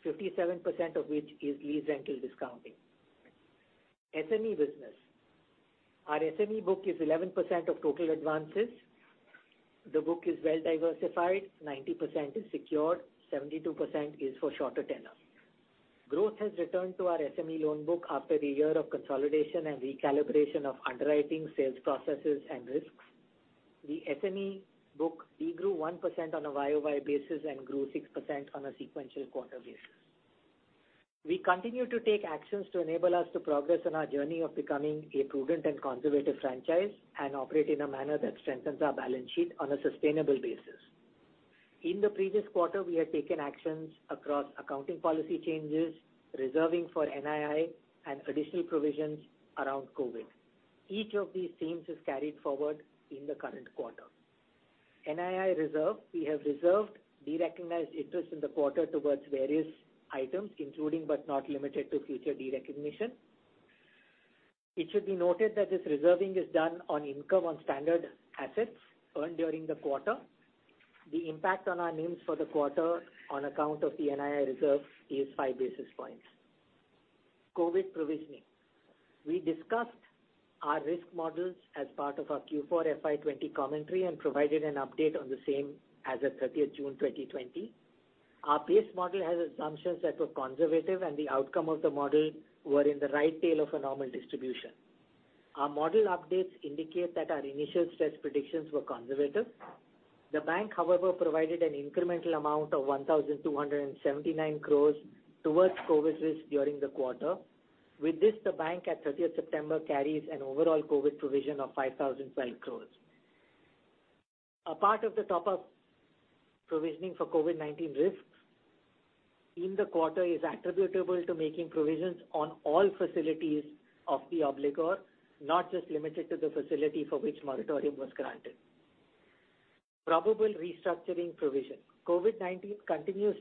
57% of which is lease rental discounting. SME business, our SME book is 11% of total advances. The book is well diversified. 90% is secured. 72% is for shorter tenor. Growth has returned to our SME loan book after a year of consolidation and recalibration of underwriting, sales processes, and risks. The SME book degrew 1% on a year-over-year basis and grew 6% on a sequential quarter basis. We continue to take actions to enable us to progress on our journey of becoming a prudent and conservative franchise and operate in a manner that strengthens our balance sheet on a sustainable basis. In the previous quarter, we had taken actions across accounting policy changes, reserving for NII, and additional provisions around COVID. Each of these themes is carried forward in the current quarter. NII reserve, we have reserved, derecognized interest in the quarter towards various items, including but not limited to future derecognition. It should be noted that this reserving is done on income on standard assets earned during the quarter. The impact on our NIM for the quarter on account of the NII reserve is 5 basis points. COVID provisioning, we discussed our risk models as part of our Q4 FY 2020 commentary and provided an update on the same as of 30th June, 2020. Our base model has assumptions that were conservative, and the outcome of the model were in the right tail of a normal distribution. Our model updates indicate that our initial stress predictions were conservative. The bank, however, provided an incremental amount of 1,279 crores towards COVID risk during the quarter. With this, the bank at 30th September carries an overall COVID provision of 5,012 crores. A part of the top-up provisioning for COVID-19 risks in the quarter is attributable to making provisions on all facilities of the obligor, not just limited to the facility for which moratorium was granted. Probable restructuring provision. COVID-19 continues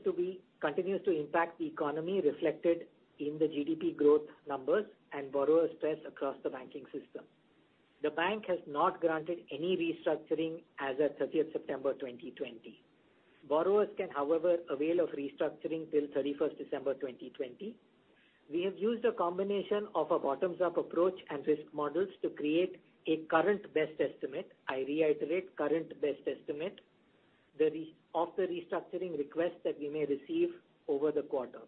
to impact the economy reflected in the GDP growth numbers and borrower stress across the banking system. The bank has not granted any restructuring as of 30th September, 2020. Borrowers can, however, avail of restructuring till 31st December, 2020. We have used a combination of a bottoms-up approach and risk models to create a current best estimate. I reiterate, current best estimate of the restructuring request that we may receive over the quarter.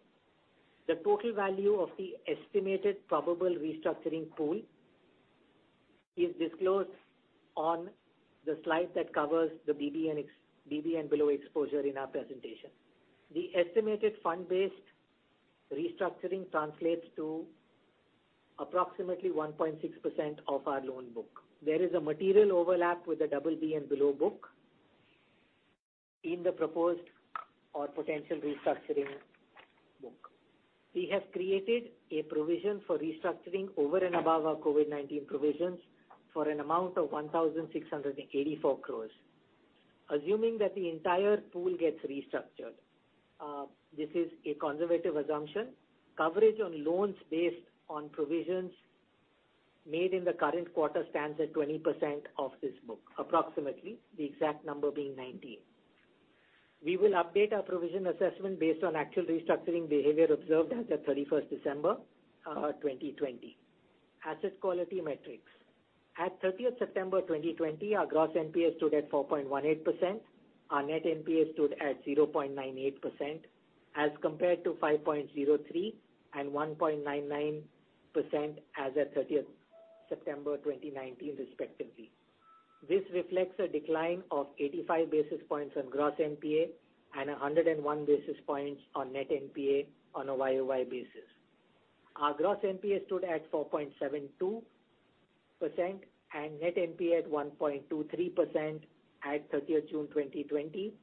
The total value of the estimated probable restructuring pool is disclosed on the slide that covers the BB and below exposure in our presentation. The estimated fund-based restructuring translates to approximately 1.6% of our loan book. There is a material overlap with the BB and below book in the proposed or potential restructuring book. We have created a provision for restructuring over and above our COVID-19 provisions for an amount of 1,684 crores, assuming that the entire pool gets restructured. This is a conservative assumption. Coverage on loans based on provisions made in the current quarter stands at 20% of this book, approximately, the exact number being 19%. We will update our provision assessment based on actual restructuring behavior observed as of 31st December, 2020. Asset quality metrics, at 30th September, 2020, our gross NPA stood at 4.18%. Our Net NPA stood at 0.98% as compared to 5.03% and 1.99% as of 30th September 2019, respectively. This reflects a decline of 85 basis points on gross NPA and 101 basis points on net NPA on a year-over-year basis. Our gross NPA stood at 4.72% and net NPA at 1.23% at 30th June 2020.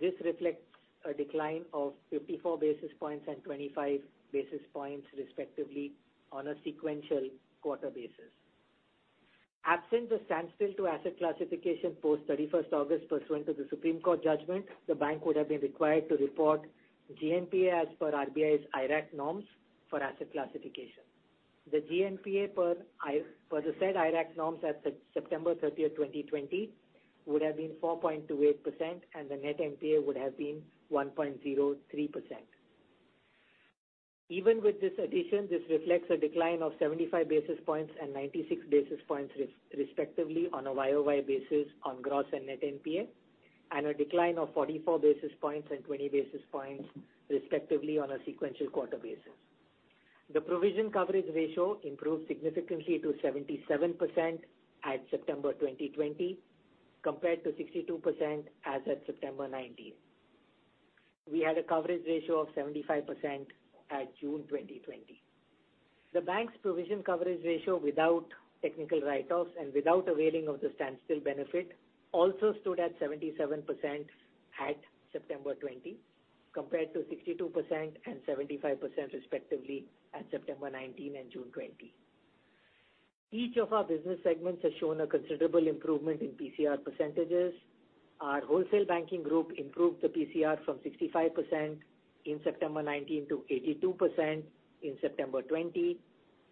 This reflects a decline of 54 basis points and 25 basis points, respectively, on a sequential quarter basis. Absent the standstill to asset classification post 31st August pursuant to the Supreme Court judgment, the bank would have been required to report GNPA as per RBI's IRAC norms for asset classification. The GNPA per the said IRAC norms at September 30th 2020 would have been 4.28%, and the net NPA would have been 1.03%. Even with this addition, this reflects a decline of 75 basis points and 96 basis points, respectively, on a YOY basis on gross and net NPA and a decline of 44 basis points and 20 basis points, respectively, on a sequential quarter basis. The provision coverage ratio improved significantly to 77% at September 2020, compared to 62% as of September 2019. We had a coverage ratio of 75% at June 2020. The bank's provision coverage ratio without technical write-offs and without availing of the standstill benefit also stood at 77% at September 2020, compared to 62% and 75%, respectively, at September 2019 and June 2020. Each of our business segments has shown a considerable improvement in PCR percentages. Our Wholesale Banking Group improved the PCR from 65% in September 2019 to 82% in September 2020.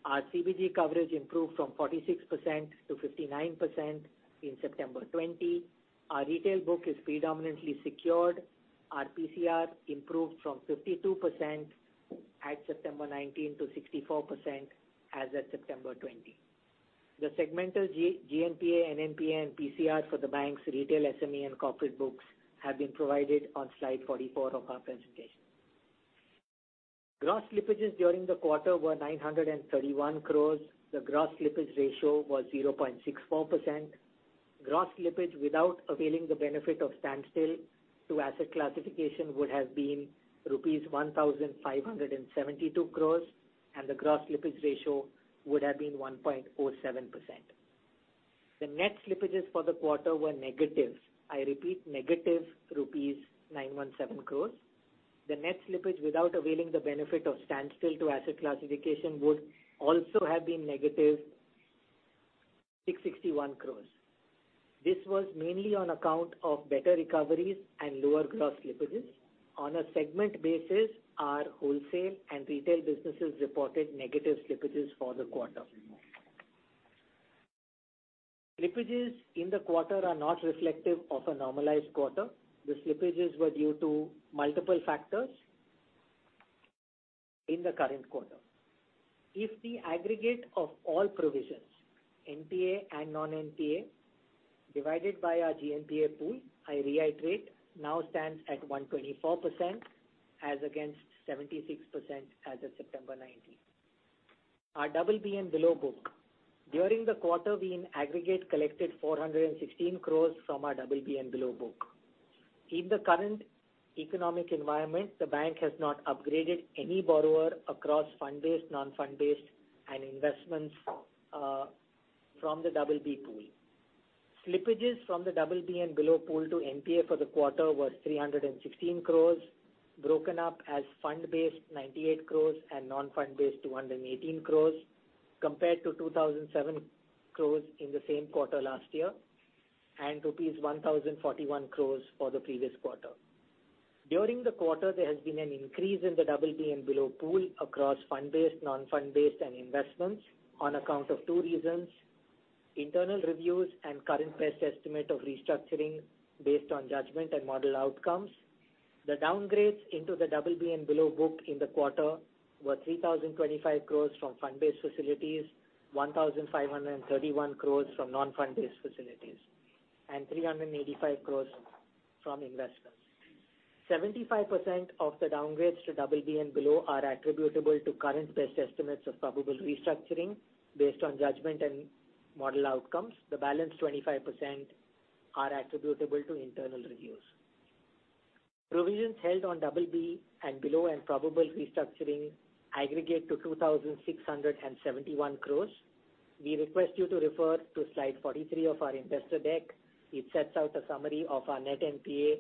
Our CBG coverage improved from 46% to 59% in September 2020. Our retail book is predominantly secured. Our PCR improved from 52% at September 2019, to 64% as of September 2020. The segmental GNPA, NNPA, and PCR for the bank's retail, SME, and corporate books have been provided on slide 44 of our presentation. Gross slippages during the quarter were 931 crores. The gross slippage ratio was 0.64%. Gross slippage without availing the benefit of standstill to asset classification would have been rupees 1,572 crores, and the gross slippage ratio would have been 1.07%. The net slippages for the quarter were negative. I repeat, negative rupees 917 crores. The net slippage without availing the benefit of standstill to asset classification would also have been negative 661 crores. This was mainly on account of better recoveries and lower gross slippages. On a segment basis, our wholesale and retail businesses reported negative slippages for the quarter. Slippages in the quarter are not reflective of a normalized quarter. The slippages were due to multiple factors in the current quarter. If the aggregate of all provisions, NPA and non-NPA, divided by our GNPA pool, I reiterate, now stands at 124% as against 76% as of September 2019. Our BB and below book, during the quarter, we in aggregate collected 416 crores from our BB and below book. In the current economic environment, the bank has not upgraded any borrower across fund-based, non-fund-based, and investments from the BB pool. Slippages from the BB and below pool to NPA for the quarter were 316 crores, broken up as fund-based 98 crores and non-fund-based 218 crores, compared to 2,007 crores in the same quarter last year and rupees 1,041 crores for the previous quarter. During the quarter, there has been an increase in the BB and below pool across fund-based, non-fund-based, and investments on account of two reasons: internal reviews and current best estimate of restructuring based on judgment and model outcomes. The downgrades into the BB and below book in the quarter were 3,025 crores from fund-based facilities, 1,531 crores from non-fund-based facilities, and 385 crores from investments. 75% of the downgrades to BB and below are attributable to current best estimates of probable restructuring based on judgment and model outcomes. The balanced 25% are attributable to internal reviews. Provisions held on BB and below and probable restructuring aggregate to 2,671 crores. We request you to refer to slide 43 of our investor deck. It sets out a summary of our net NPA,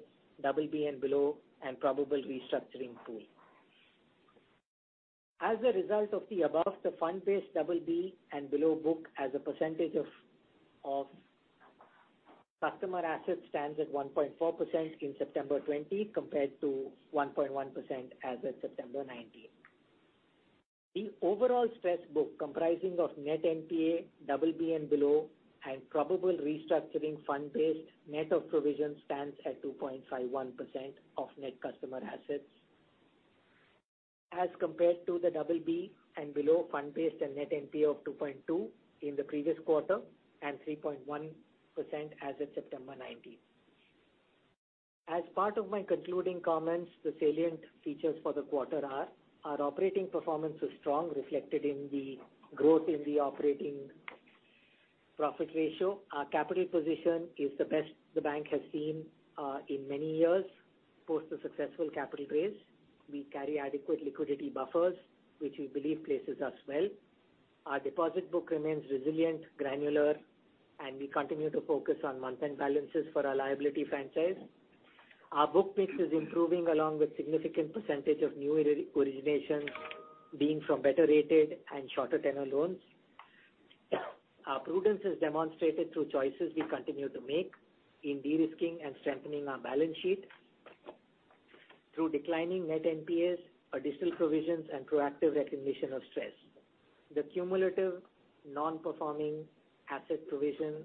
BB and below, and probable restructuring pool. As a result of the above, the fund-based BB and below book as a percentage of customer assets stands at 1.4% in September 2020, compared to 1.1% as of September 2019. The overall stress book comprising of net NPA, BB and below, and probable restructuring fund-based net of provisions stands at 2.51% of net customer assets as compared to the BB and below fund-based and net NPA of 2.2% in the previous quarter and 3.1% as of September 2019. As part of my concluding comments, the salient features for the quarter are: our operating performance is strong, reflected in the growth in the operating profit ratio. Our capital position is the best the bank has seen in many years post the successful capital raise. We carry adequate liquidity buffers, which we believe places us well. Our deposit book remains resilient, granular, and we continue to focus on month-end balances for our liability franchise. Our book mix is improving along with a significant percentage of new originations being from better rated and shorter tenor loans. Our prudence is demonstrated through choices we continue to make in derisking and strengthening our balance sheet through declining net NPAs, additional provisions, and proactive recognition of stress. The cumulative non-performing asset provision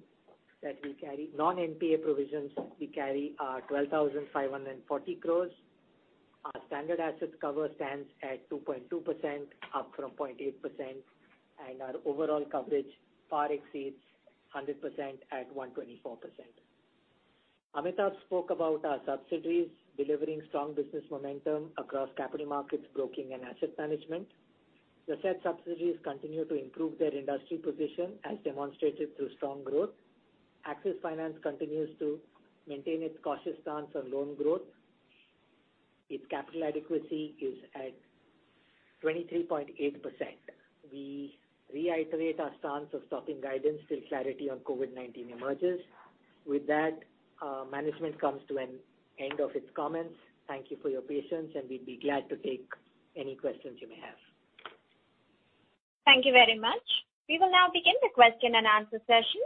that we carry non-NPA provisions we carry are 12,540 crores. Our standard assets cover stands at 2.2%, up from 0.8%, and our overall coverage far exceeds 100% at 124%. Amitabh spoke about our subsidiaries delivering strong business momentum across capital markets, broking, and asset management. The said subsidiaries continue to improve their industry position as demonstrated through strong growth. Axis Finance continues to maintain its cautious stance on loan growth. Its capital adequacy is at 23.8%. We reiterate our stance of stopping guidance till clarity on COVID-19 emerges. With that, management comes to an end of its comments. Thank you for your patience, and we'd be glad to take any questions you may have. Thank you very much. We will now begin the question-and-answer session.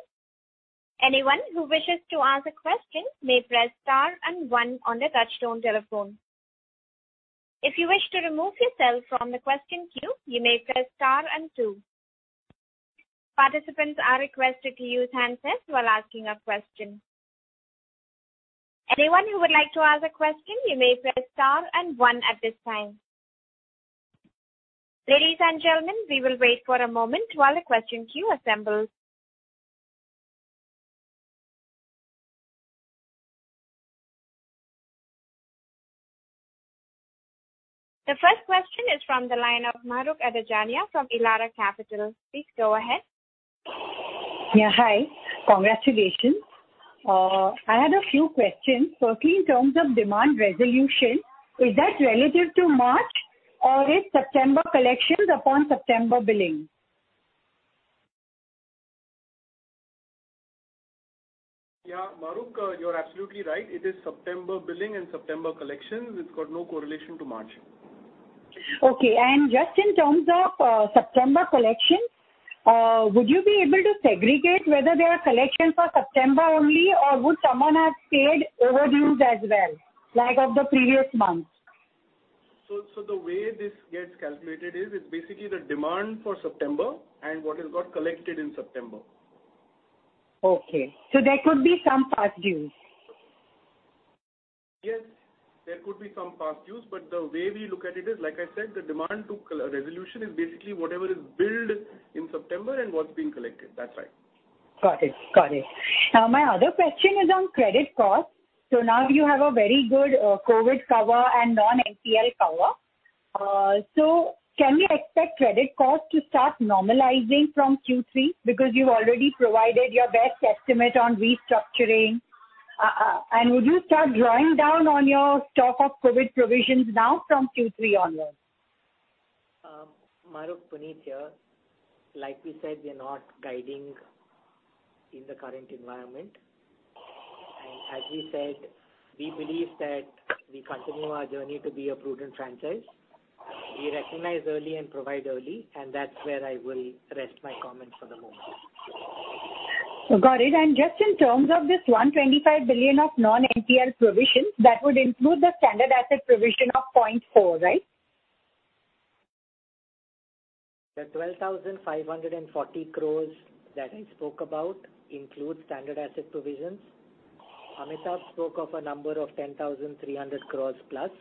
Anyone who wishes to answer questions may press star and one on the touchtone telephone. If you wish to remove yourself from the question queue, you may press star and two. Participants are requested to use hands-free while asking a question. Anyone who would like to ask a question, you may press star and one at this time. Ladies and gentlemen, we will wait for a moment while the question queue assembles. The first question is from the line of Mahrukh Adajania from Elara Capital. Please go ahead. Yeah. Hi. Congratulations. I had a few questions. Firstly, in terms of demand resolution, is that relative to March or is September collections upon September billing? Yeah. Mahrukh, you're absolutely right. It is September billing and September collections. It's got no correlation to March. Okay. And just in terms of September collections, would you be able to segregate whether there are collections for September only, or would someone have paid overdues as well of the previous months? So the way this gets calculated is basically the demand for September and what is got collected in September. Okay. So there could be some past dues? Yes. There could be some past dues. But the way we look at it is, like I said, the demand resolution is basically whatever is billed in September and what's being collected. That's right. Got it. Got it. Now, my other question is on credit cost. So now you have a very good COVID cover and non-NPL cover. So can we expect credit cost to start normalizing from Q3 because you've already provided your best estimate on restructuring? And would you start drawing down on your stock of COVID provisions now from Q3 onwards? Mahrukh, Puneet here. Like we said, we're not guiding in the current environment. As we said, we believe that we continue our journey to be a prudent franchise. We recognize early and provide early, and that's where I will rest my comments for the moment. Got it. Just in terms of this 125 billion of non-NPL provisions, that would include the standard asset provision of 0.4, right? The 12,540 crores that I spoke about includes standard asset provisions. Amitabh spoke of a number of 10,300 crores plus.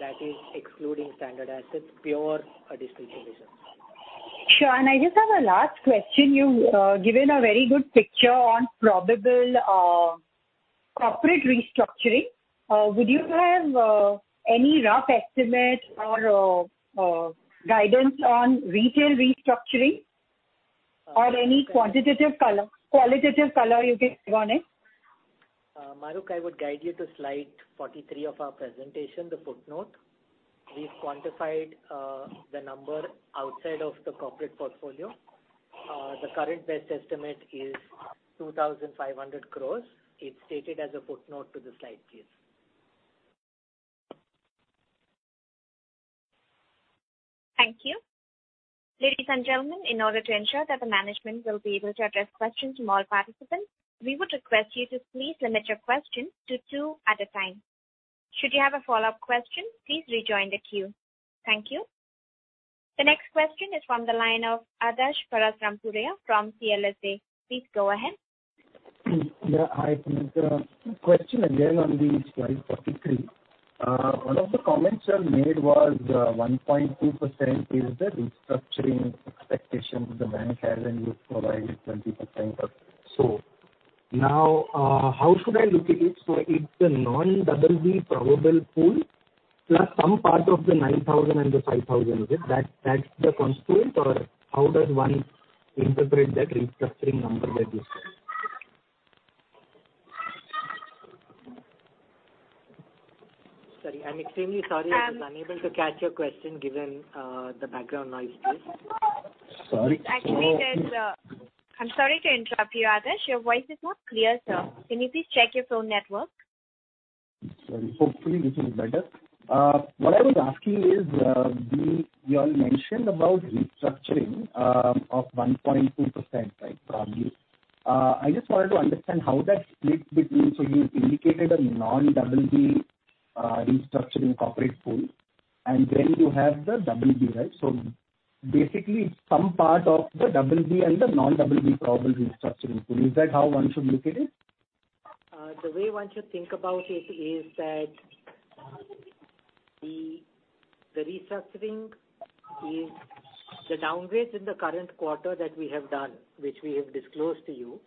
That is excluding standard assets, pure additional provisions. Sure. And I just have a last question. You've given a very good picture on probable corporate restructuring. Would you have any rough estimate or guidance on retail restructuring or any quantitative color you can give on it? Mahrukh, I would guide you to slide 43 of our presentation, the footnote. We've quantified the number outside of the corporate portfolio. The current best estimate is 2,500 crore. It's stated as a footnote to the slide, please. Thank you. Ladies and gentlemen, in order to ensure that the management will be able to address questions from all participants, we would request you to please limit your questions to two at a time. Should you have a follow-up question, please rejoin the queue. Thank you. The next question is from the line of Adarsh Parasrampuria from CLSA. Please go ahead. Yeah. Hi, Puneet. Question again on the slide 43. One of the comments you made was 1.2% is the restructuring expectation the bank has, and you've provided 20% of. So now, how should I look at it? So is the non-BB probable pool plus some part of the 9,000 and the 5,000 with it, that's the constant, or how does one interpret that restructuring number that you said? Sorry. I'm extremely sorry. I was unable to catch your question given the background noise, please. Sorry. Actually, I'm sorry to interrupt you, Adarsh. Your voice is not clear, sir. Can you please check your phone network? Sorry. Hopefully, this is better. What I was asking is you all mentioned about restructuring of 1.2%, right, probably. I just wanted to understand how that splits between. So you indicated a non-BB restructuring corporate pool, and then you have the BB, right? So basically, it's some part of the BB and the non-BB probable restructuring pool. Is that how one should look at it? The way one should think about it is that the restructuring is the downgrades in the current quarter that we have done, which we have disclosed to you.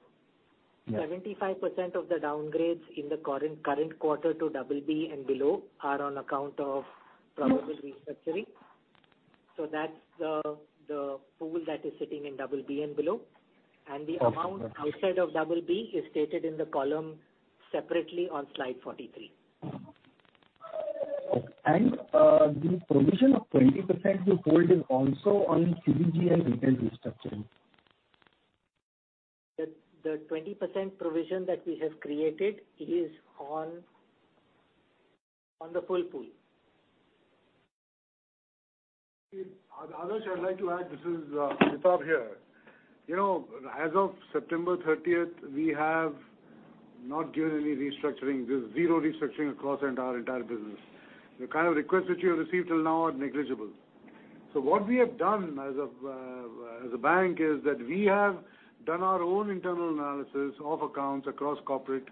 75% of the downgrades in the current quarter to BB and below are on account of probable restructuring. So that's the pool that is sitting in BB and below. The amount outside of BB is stated in the column separately on slide 43. The provision of 20% you hold is also on CBG and retail restructuring? The 20% provision that we have created is on the full pool. Adarsh, I'd like to add. This is Amitabh here. As of September 30th, we have not given any restructuring. There's zero restructuring across our entire business. The kind of requests that you have received till now are negligible. So what we have done as a bank is that we have done our own internal analysis of accounts across corporate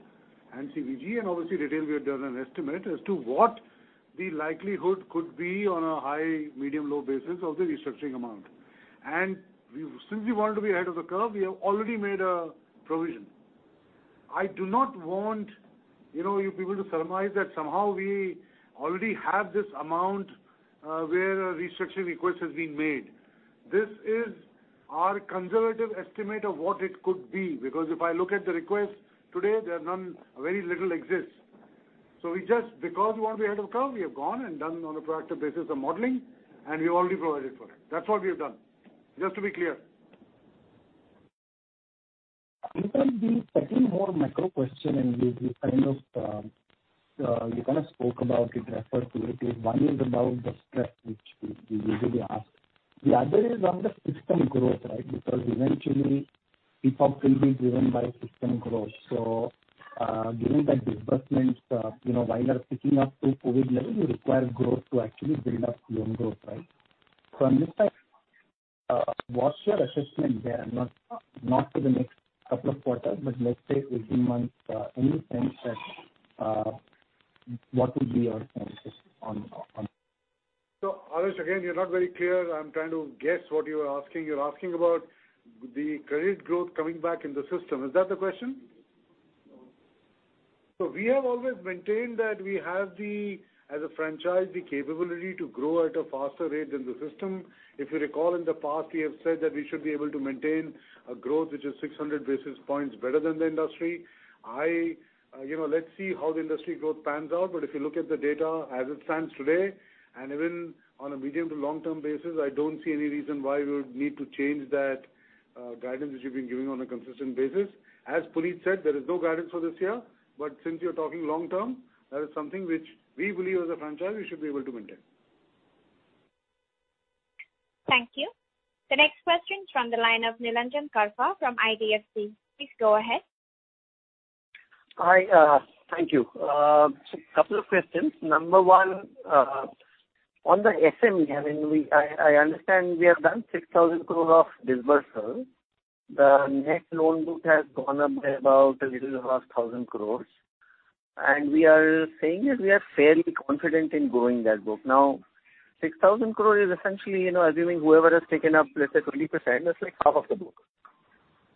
and CBG, and obviously, retail, we have done an estimate as to what the likelihood could be on a high, medium, low basis of the restructuring amount. And since we wanted to be ahead of the curve, we have already made a provision. I do not want you people to surmise that somehow we already have this amount where a restructuring request has been made. This is our conservative estimate of what it could be because if I look at the requests today, there are none. Very little exists. Because we want to be ahead of the curve, we have gone and done on a proactive basis a modeling, and we've already provided for it. That's what we have done, just to be clear. You can be setting more micro-questions, and you kind of spoke about it, referred to it. One is about the stress, which we usually ask. The other is on the system growth, right, because eventually, PPOP will be driven by system growth. So given that disbursements, while they're picking up to COVID level, you require growth to actually build up loan growth, right? So I'm just like, what's your assessment there? Not for the next couple of quarters, but let's say 18 months, any sense that what would be your sense on? So Adarsh, again, you're not very clear. I'm trying to guess what you are asking. You're asking about the credit growth coming back in the system. Is that the question? So we have always maintained that we have, as a franchise, the capability to grow at a faster rate than the system. If you recall, in the past, we have said that we should be able to maintain a growth which is 600 basis points better than the industry. Let's see how the industry growth pans out. But if you look at the data as it stands today and even on a medium to long-term basis, I don't see any reason why we would need to change that guidance that you've been giving on a consistent basis. As Puneet said, there is no guidance for this year. But since you're talking long-term, that is something which we believe, as a franchise, we should be able to maintain. Thank you. The next question's from the line of Nilanjan Karfa from IDFC. Please go ahead. Hi. Thank you. A couple of questions. Number one, on the SME, I mean, I understand we have done 6,000 crore of disbursal. The net loan book has gone up by about a little over 1,000 crores. And we are saying that we are fairly confident in growing that book. Now, 6,000 crore is essentially assuming whoever has taken up, let's say, 20%, that's half of the book.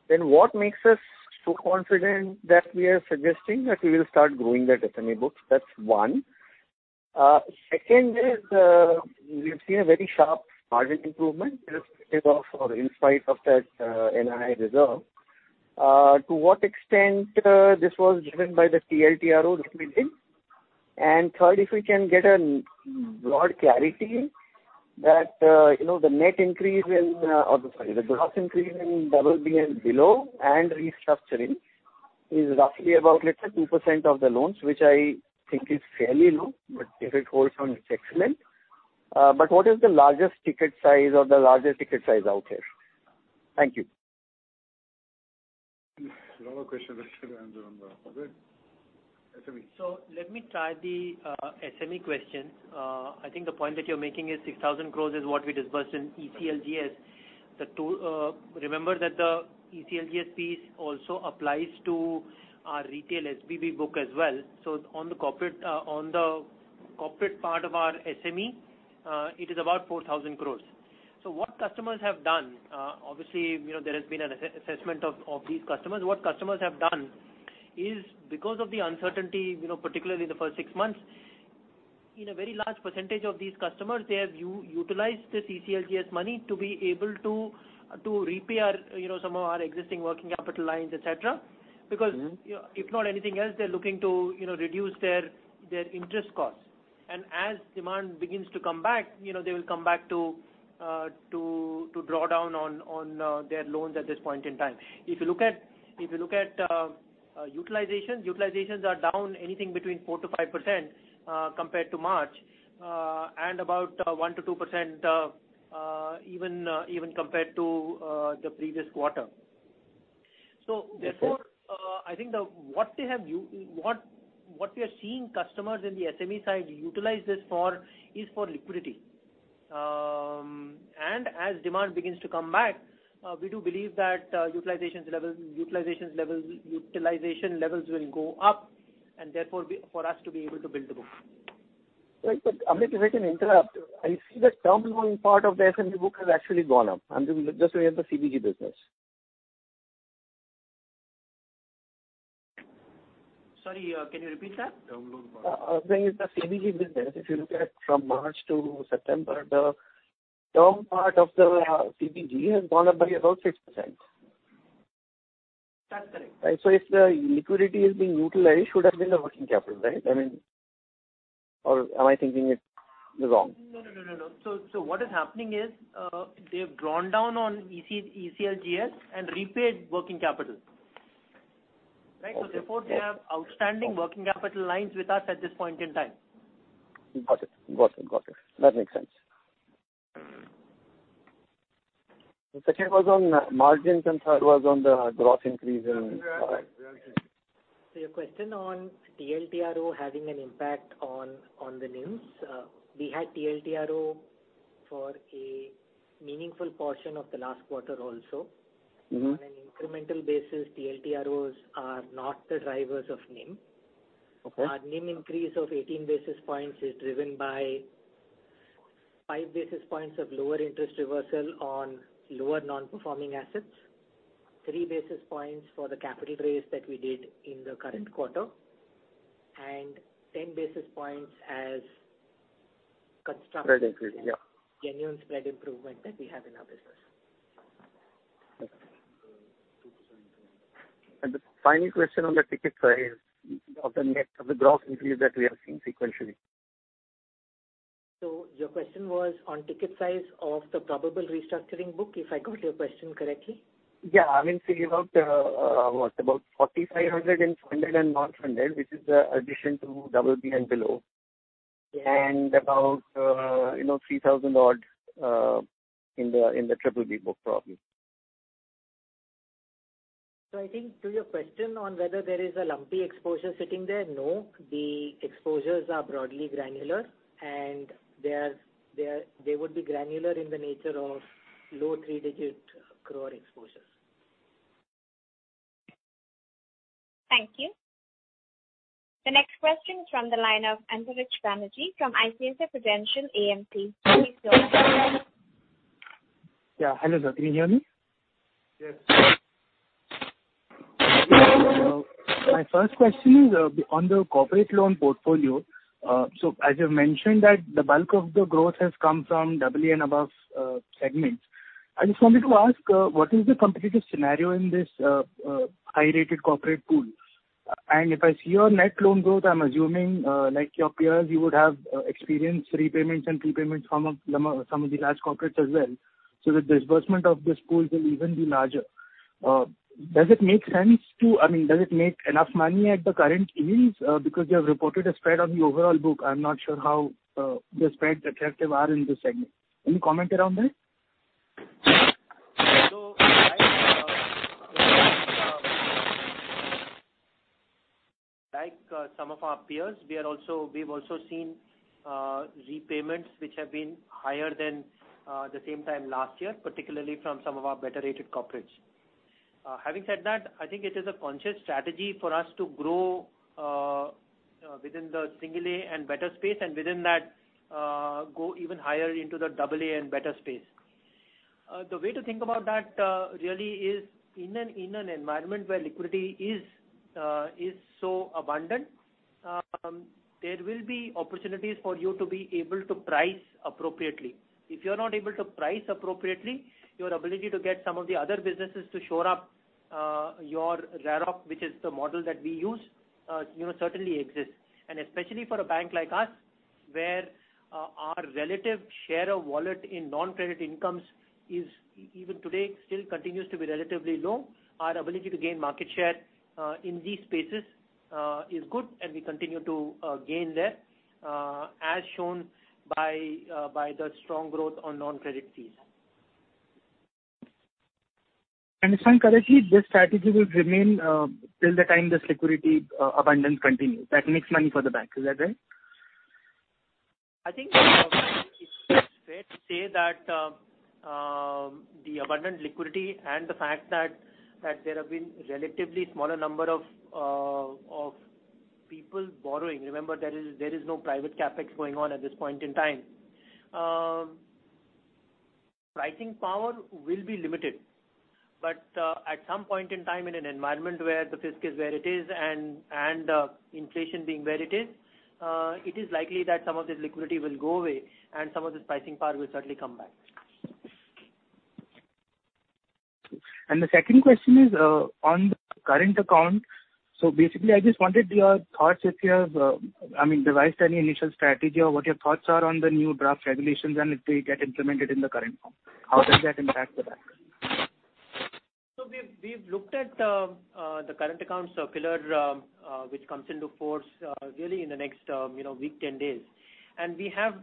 Then what makes us so confident that we are suggesting that we will start growing that SME book? That's one. Second is we've seen a very sharp margin improvement in spite of that NII reserve. To what extent this was driven by the TLTRO that we did? And third, if we can get a broad clarity that the net increase in or sorry, the gross increase in BB and Below and restructuring is roughly about, let's say, 2% of the loans, which I think is fairly low, but if it holds on, it's excellent. But what is the largest ticket size or the largest ticket size out here? Thank you. Another question that should answer on the SME. So let me try the SME question. I think the point that you're making is 6,000 crore is what we disbursed in ECLGS. Remember that the ECLGS piece also applies to our retail SBB book as well. So on the corporate part of our SME, it is about 4,000 crore. So what customers have done obviously, there has been an assessment of these customers. What customers have done is because of the uncertainty, particularly in the first six months, in a very large percentage of these customers, they have utilized this ECLGS money to be able to repair some of our existing working capital lines, etc., because if not anything else, they're looking to reduce their interest costs. As demand begins to come back, they will come back to draw down on their loans at this point in time. If you look at utilizations, utilizations are down anything between 4%-5% compared to March and about 1%-2% even compared to the previous quarter. So therefore, I think what we are seeing customers in the SME side utilize this for is for liquidity. As demand begins to come back, we do believe that utilizations levels will go up and therefore for us to be able to build the book. Wait. But Amit, if I can interrupt, I see that term loan part of the SME book has actually gone up. I'm just looking at the CBG business. Sorry. Can you repeat that? Term loan part. I was saying it's the CBG business. If you look at from March to September, the term part of the CBG has gone up by about 6%. That's correct. Right? So if the liquidity is being utilized, it should have been the working capital, right? I mean, or am I thinking it's wrong? No, no, no, no, no. So what is happening is they've drawn down on ECLGS and repaid working capital, right? So therefore, they have outstanding working capital lines with us at this point in time. Got it. Got it. Got it. That makes sense. The second was on margins, and third was on the gross increase in. Your question on TLTRO having an impact on the NIM. We had TLTRO for a meaningful portion of the last quarter also. On an incremental basis, TLTROs are not the drivers of NIM. Our NIM increase of 18 basis points is driven by 5 basis points of lower interest reversal on lower non-performing assets, 3 basis points for the capital raise that we did in the current quarter, and 10 basis points as genuine spread improvement that we have in our business. The final question on the ticket size of the gross increase that we are seeing sequentially. Your question was on ticket size of the probable restructuring book, if I got your question correctly? Yeah. I mean, see, about what? About 4,500 in funded and non-funded, which is the addition to BB and below, and about 3,000-odd in the BBB book, probably. So I think to your question on whether there is a lumpy exposure sitting there, no. The exposures are broadly granular, and they would be granular in the nature of low three-digit crore exposures. Thank you. The next question's from the line of Antariksha Banerjee from ICICI Prudential AMC. Please go ahead. Yeah. Hello, sir. Can you hear me? Yes. My first question is on the corporate loan portfolio. So as you've mentioned, the bulk of the growth has come from BB and above segments. I just wanted to ask, what is the competitive scenario in this high-rated corporate pool? And if I see your net loan growth, I'm assuming, like your peers, you would have experienced repayments and prepayments from some of the large corporates as well, so the disbursement of this pool will even be larger. Does it make sense to, I mean, does it make enough money at the current NIM because you have reported a spread on the overall book? I'm not sure how attractive the spreads are in this segment. Any comment around that? So like some of our peers, we've also seen repayments which have been higher than the same time last year, particularly from some of our better-rated corporates. Having said that, I think it is a conscious strategy for us to grow within the single-A and better space and within that, go even higher into the AA and better space. The way to think about that really is in an environment where liquidity is so abundant, there will be opportunities for you to be able to price appropriately. If you're not able to price appropriately, your ability to get some of the other businesses to shore up your RAROC, which is the model that we use, certainly exists. Especially for a bank like us, where our relative share of wallet in non-credit incomes is even today still continues to be relatively low, our ability to gain market share in these spaces is good, and we continue to gain there as shown by the strong growth on non-credit fees. If I'm correct, this strategy will remain till the time this liquidity abundance continues that makes money for the bank. Is that right? I think it's fair to say that the abundant liquidity and the fact that there have been a relatively smaller number of people borrowing remember, there is no private CapEx going on at this point in time. Pricing power will be limited. But at some point in time, in an environment where the fisc is where it is and inflation being where it is, it is likely that some of this liquidity will go away, and some of this pricing power will certainly come back. The second question is on the current account. So basically, I just wanted your thoughts if you have I mean, devised any initial strategy or what your thoughts are on the new draft regulations and if they get implemented in the current form. How does that impact the bank? So we've looked at the current account circular, which comes into force really in the next week, 10 days. We have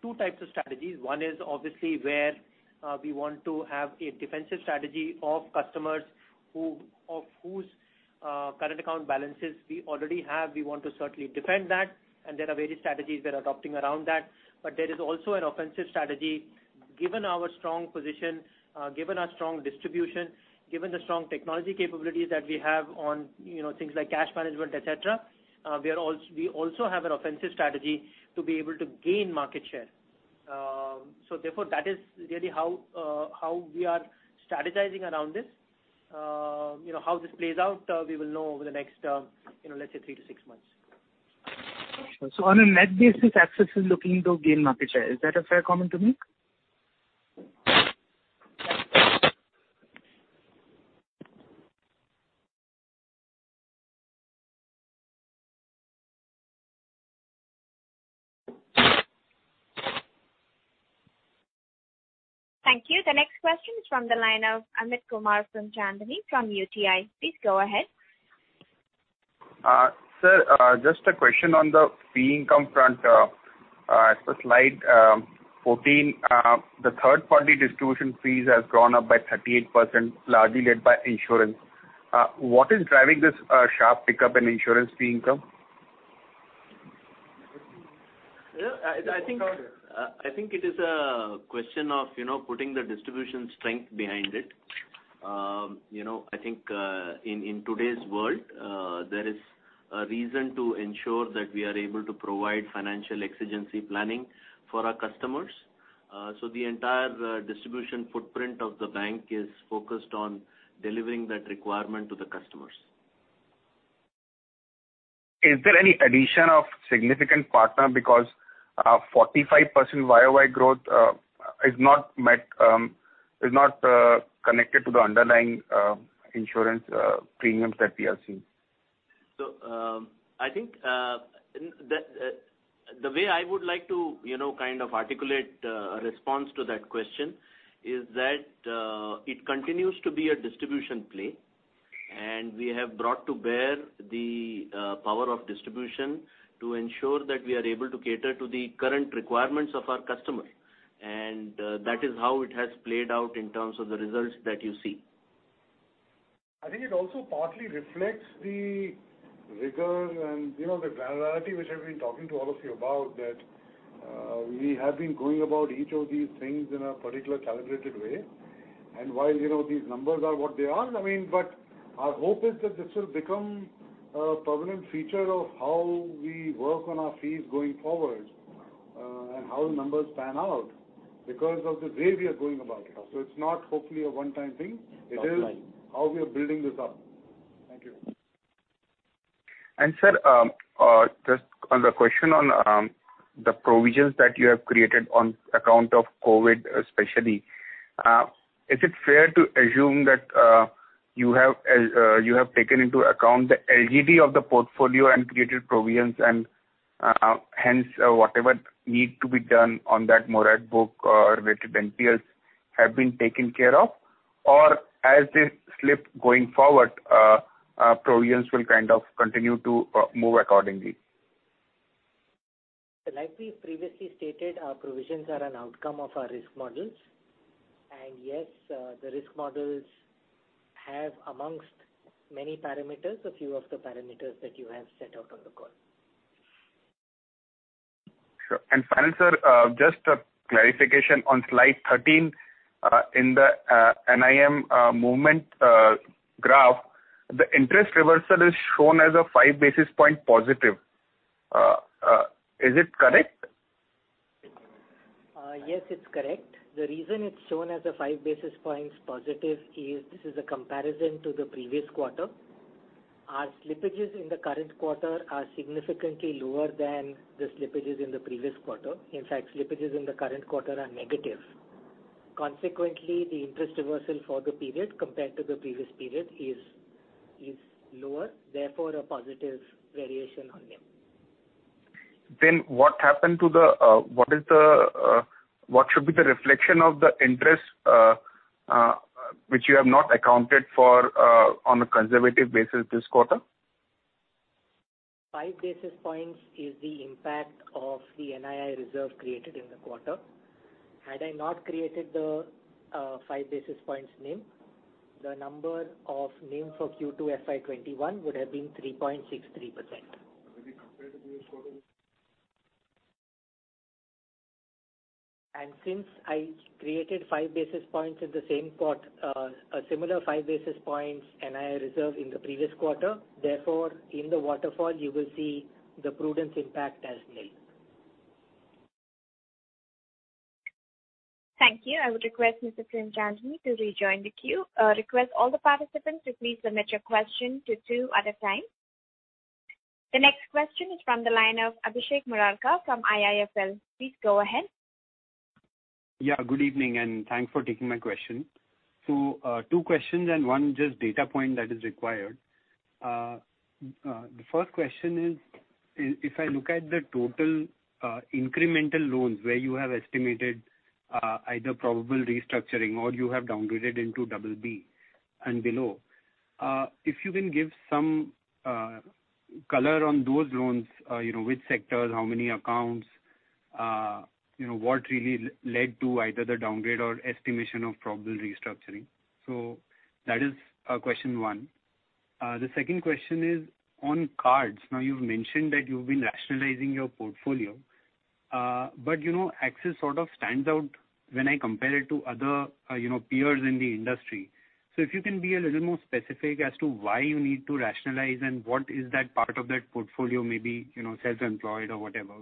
two types of strategies. One is obviously where we want to have a defensive strategy of customers whose current account balances we already have. We want to certainly defend that. There are various strategies we're adopting around that. But there is also an offensive strategy. Given our strong position, given our strong distribution, given the strong technology capabilities that we have on things like cash management, etc., we also have an offensive strategy to be able to gain market share. Therefore, that is really how we are strategizing around this. How this plays out, we will know over the next, let's say, 3-6 months. On a net basis, Axis is looking to gain market share. Is that a fair comment to make? Thank you. The next question's from the line of Amit Premchandani from UTI. Please go ahead. Sir, just a question on the fee income front. As per slide 14, the third-party distribution fees have grown up by 38%, largely led by insurance. What is driving this sharp pickup in insurance fee income? I think it is a question of putting the distribution strength behind it. I think in today's world, there is a reason to ensure that we are able to provide financial exigency planning for our customers. So the entire distribution footprint of the bank is focused on delivering that requirement to the customers. Is there any addition of significant partner because 45% year-over-year growth is not connected to the underlying insurance premiums that we are seeing? I think the way I would like to kind of articulate a response to that question is that it continues to be a distribution play. We have brought to bear the power of distribution to ensure that we are able to cater to the current requirements of our customers. That is how it has played out in terms of the results that you see. I think it also partly reflects the rigor and the granularity which I've been talking to all of you about, that we have been going about each of these things in a particular calibrated way. And while these numbers are what they are, I mean but our hope is that this will become a permanent feature of how we work on our fees going forward and how the numbers pan out because of the way we are going about it. So it's not hopefully a one-time thing. It is how we are building this up. Thank you. Sir, just on the question on the provisions that you have created on account of COVID especially, is it fair to assume that you have taken into account the LGD of the portfolio and created provisions, and hence whatever need to be done on that moratorium book related NPLs have been taken care of? Or as this slips going forward, provisions will kind of continue to move accordingly? Like we previously stated, our provisions are an outcome of our risk models. Yes, the risk models have, among many parameters, a few of the parameters that you have set out on the call. Sure. Finally, sir, just a clarification on slide 13. In the NIM movement graph, the interest reversal is shown as a 5 basis point positive. Is it correct? Yes, it's correct. The reason it's shown as a five basis points positive is this is a comparison to the previous quarter. Our slippages in the current quarter are significantly lower than the slippages in the previous quarter. In fact, slippages in the current quarter are negative. Consequently, the interest reversal for the period compared to the previous period is lower. Therefore, a positive variation on NIM. What should be the reflection of the interest which you have not accounted for on a conservative basis this quarter? 5 basis points is the impact of the NII reserve created in the quarter. Had I not created the 5 basis points NIM, the number of NIM for Q2 FY21 would have been 3.63%. Really compared to previous quarter? Since I created 5 basis points in the same quarter, a similar 5 basis points NII reserve in the previous quarter, therefore, in the waterfall, you will see the prudence impact as nil. Thank you. I would request Mr. Premchandani to rejoin the queue. Request all the participants to please submit your question to two at a time. The next question is from the line of Abhishek Murarka from IIFL. Please go ahead. Yeah. Good evening, and thanks for taking my question. So two questions and one just data point that is required. The first question is if I look at the total incremental loans where you have estimated either probable restructuring or you have downgraded into BB and Below, if you can give some color on those loans, which sectors, how many accounts, what really led to either the downgrade or estimation of probable restructuring. So that is question one. The second question is on cards. Now, you've mentioned that you've been rationalizing your portfolio, but Axis sort of stands out when I compare it to other peers in the industry. So if you can be a little more specific as to why you need to rationalize and what is that part of that portfolio, maybe self-employed or whatever,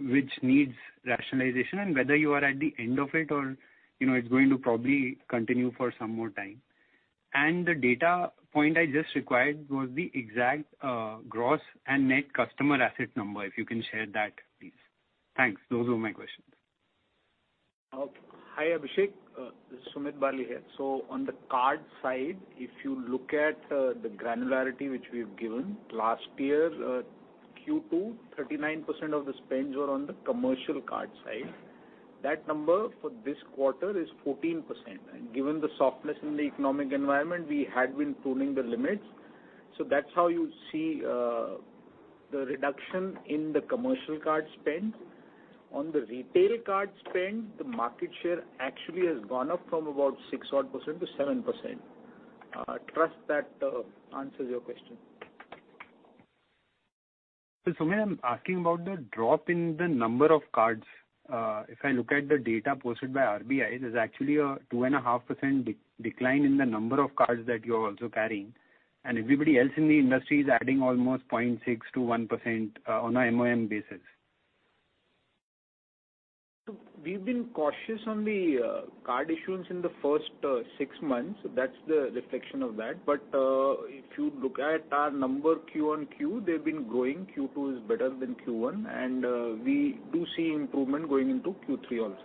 which needs rationalization and whether you are at the end of it or it's going to probably continue for some more time. And the data point I just required was the exact gross and net customer asset number, if you can share that, please. Thanks. Those were my questions. Hi, Abhishek. This is Sumit Bali here. So on the card side, if you look at the granularity which we've given, last year, Q2, 39% of the spends were on the commercial card side. That number for this quarter is 14%. And given the softness in the economic environment, we had been pruning the limits. So that's how you see the reduction in the commercial card spend. On the retail card spend, the market share actually has gone up from about 6% odd to 7%. I trust that answers your question. So when I'm asking about the drop in the number of cards, if I look at the data posted by RBI, there's actually a 2.5% decline in the number of cards that you're also carrying. And everybody else in the industry is adding almost 0.6%-1% on a month-over-month basis. So we've been cautious on the card issuance in the first six months. That's the reflection of that. But if you look at our number Q on Q, they've been growing. Q2 is better than Q1. And we do see improvement going into Q3 also.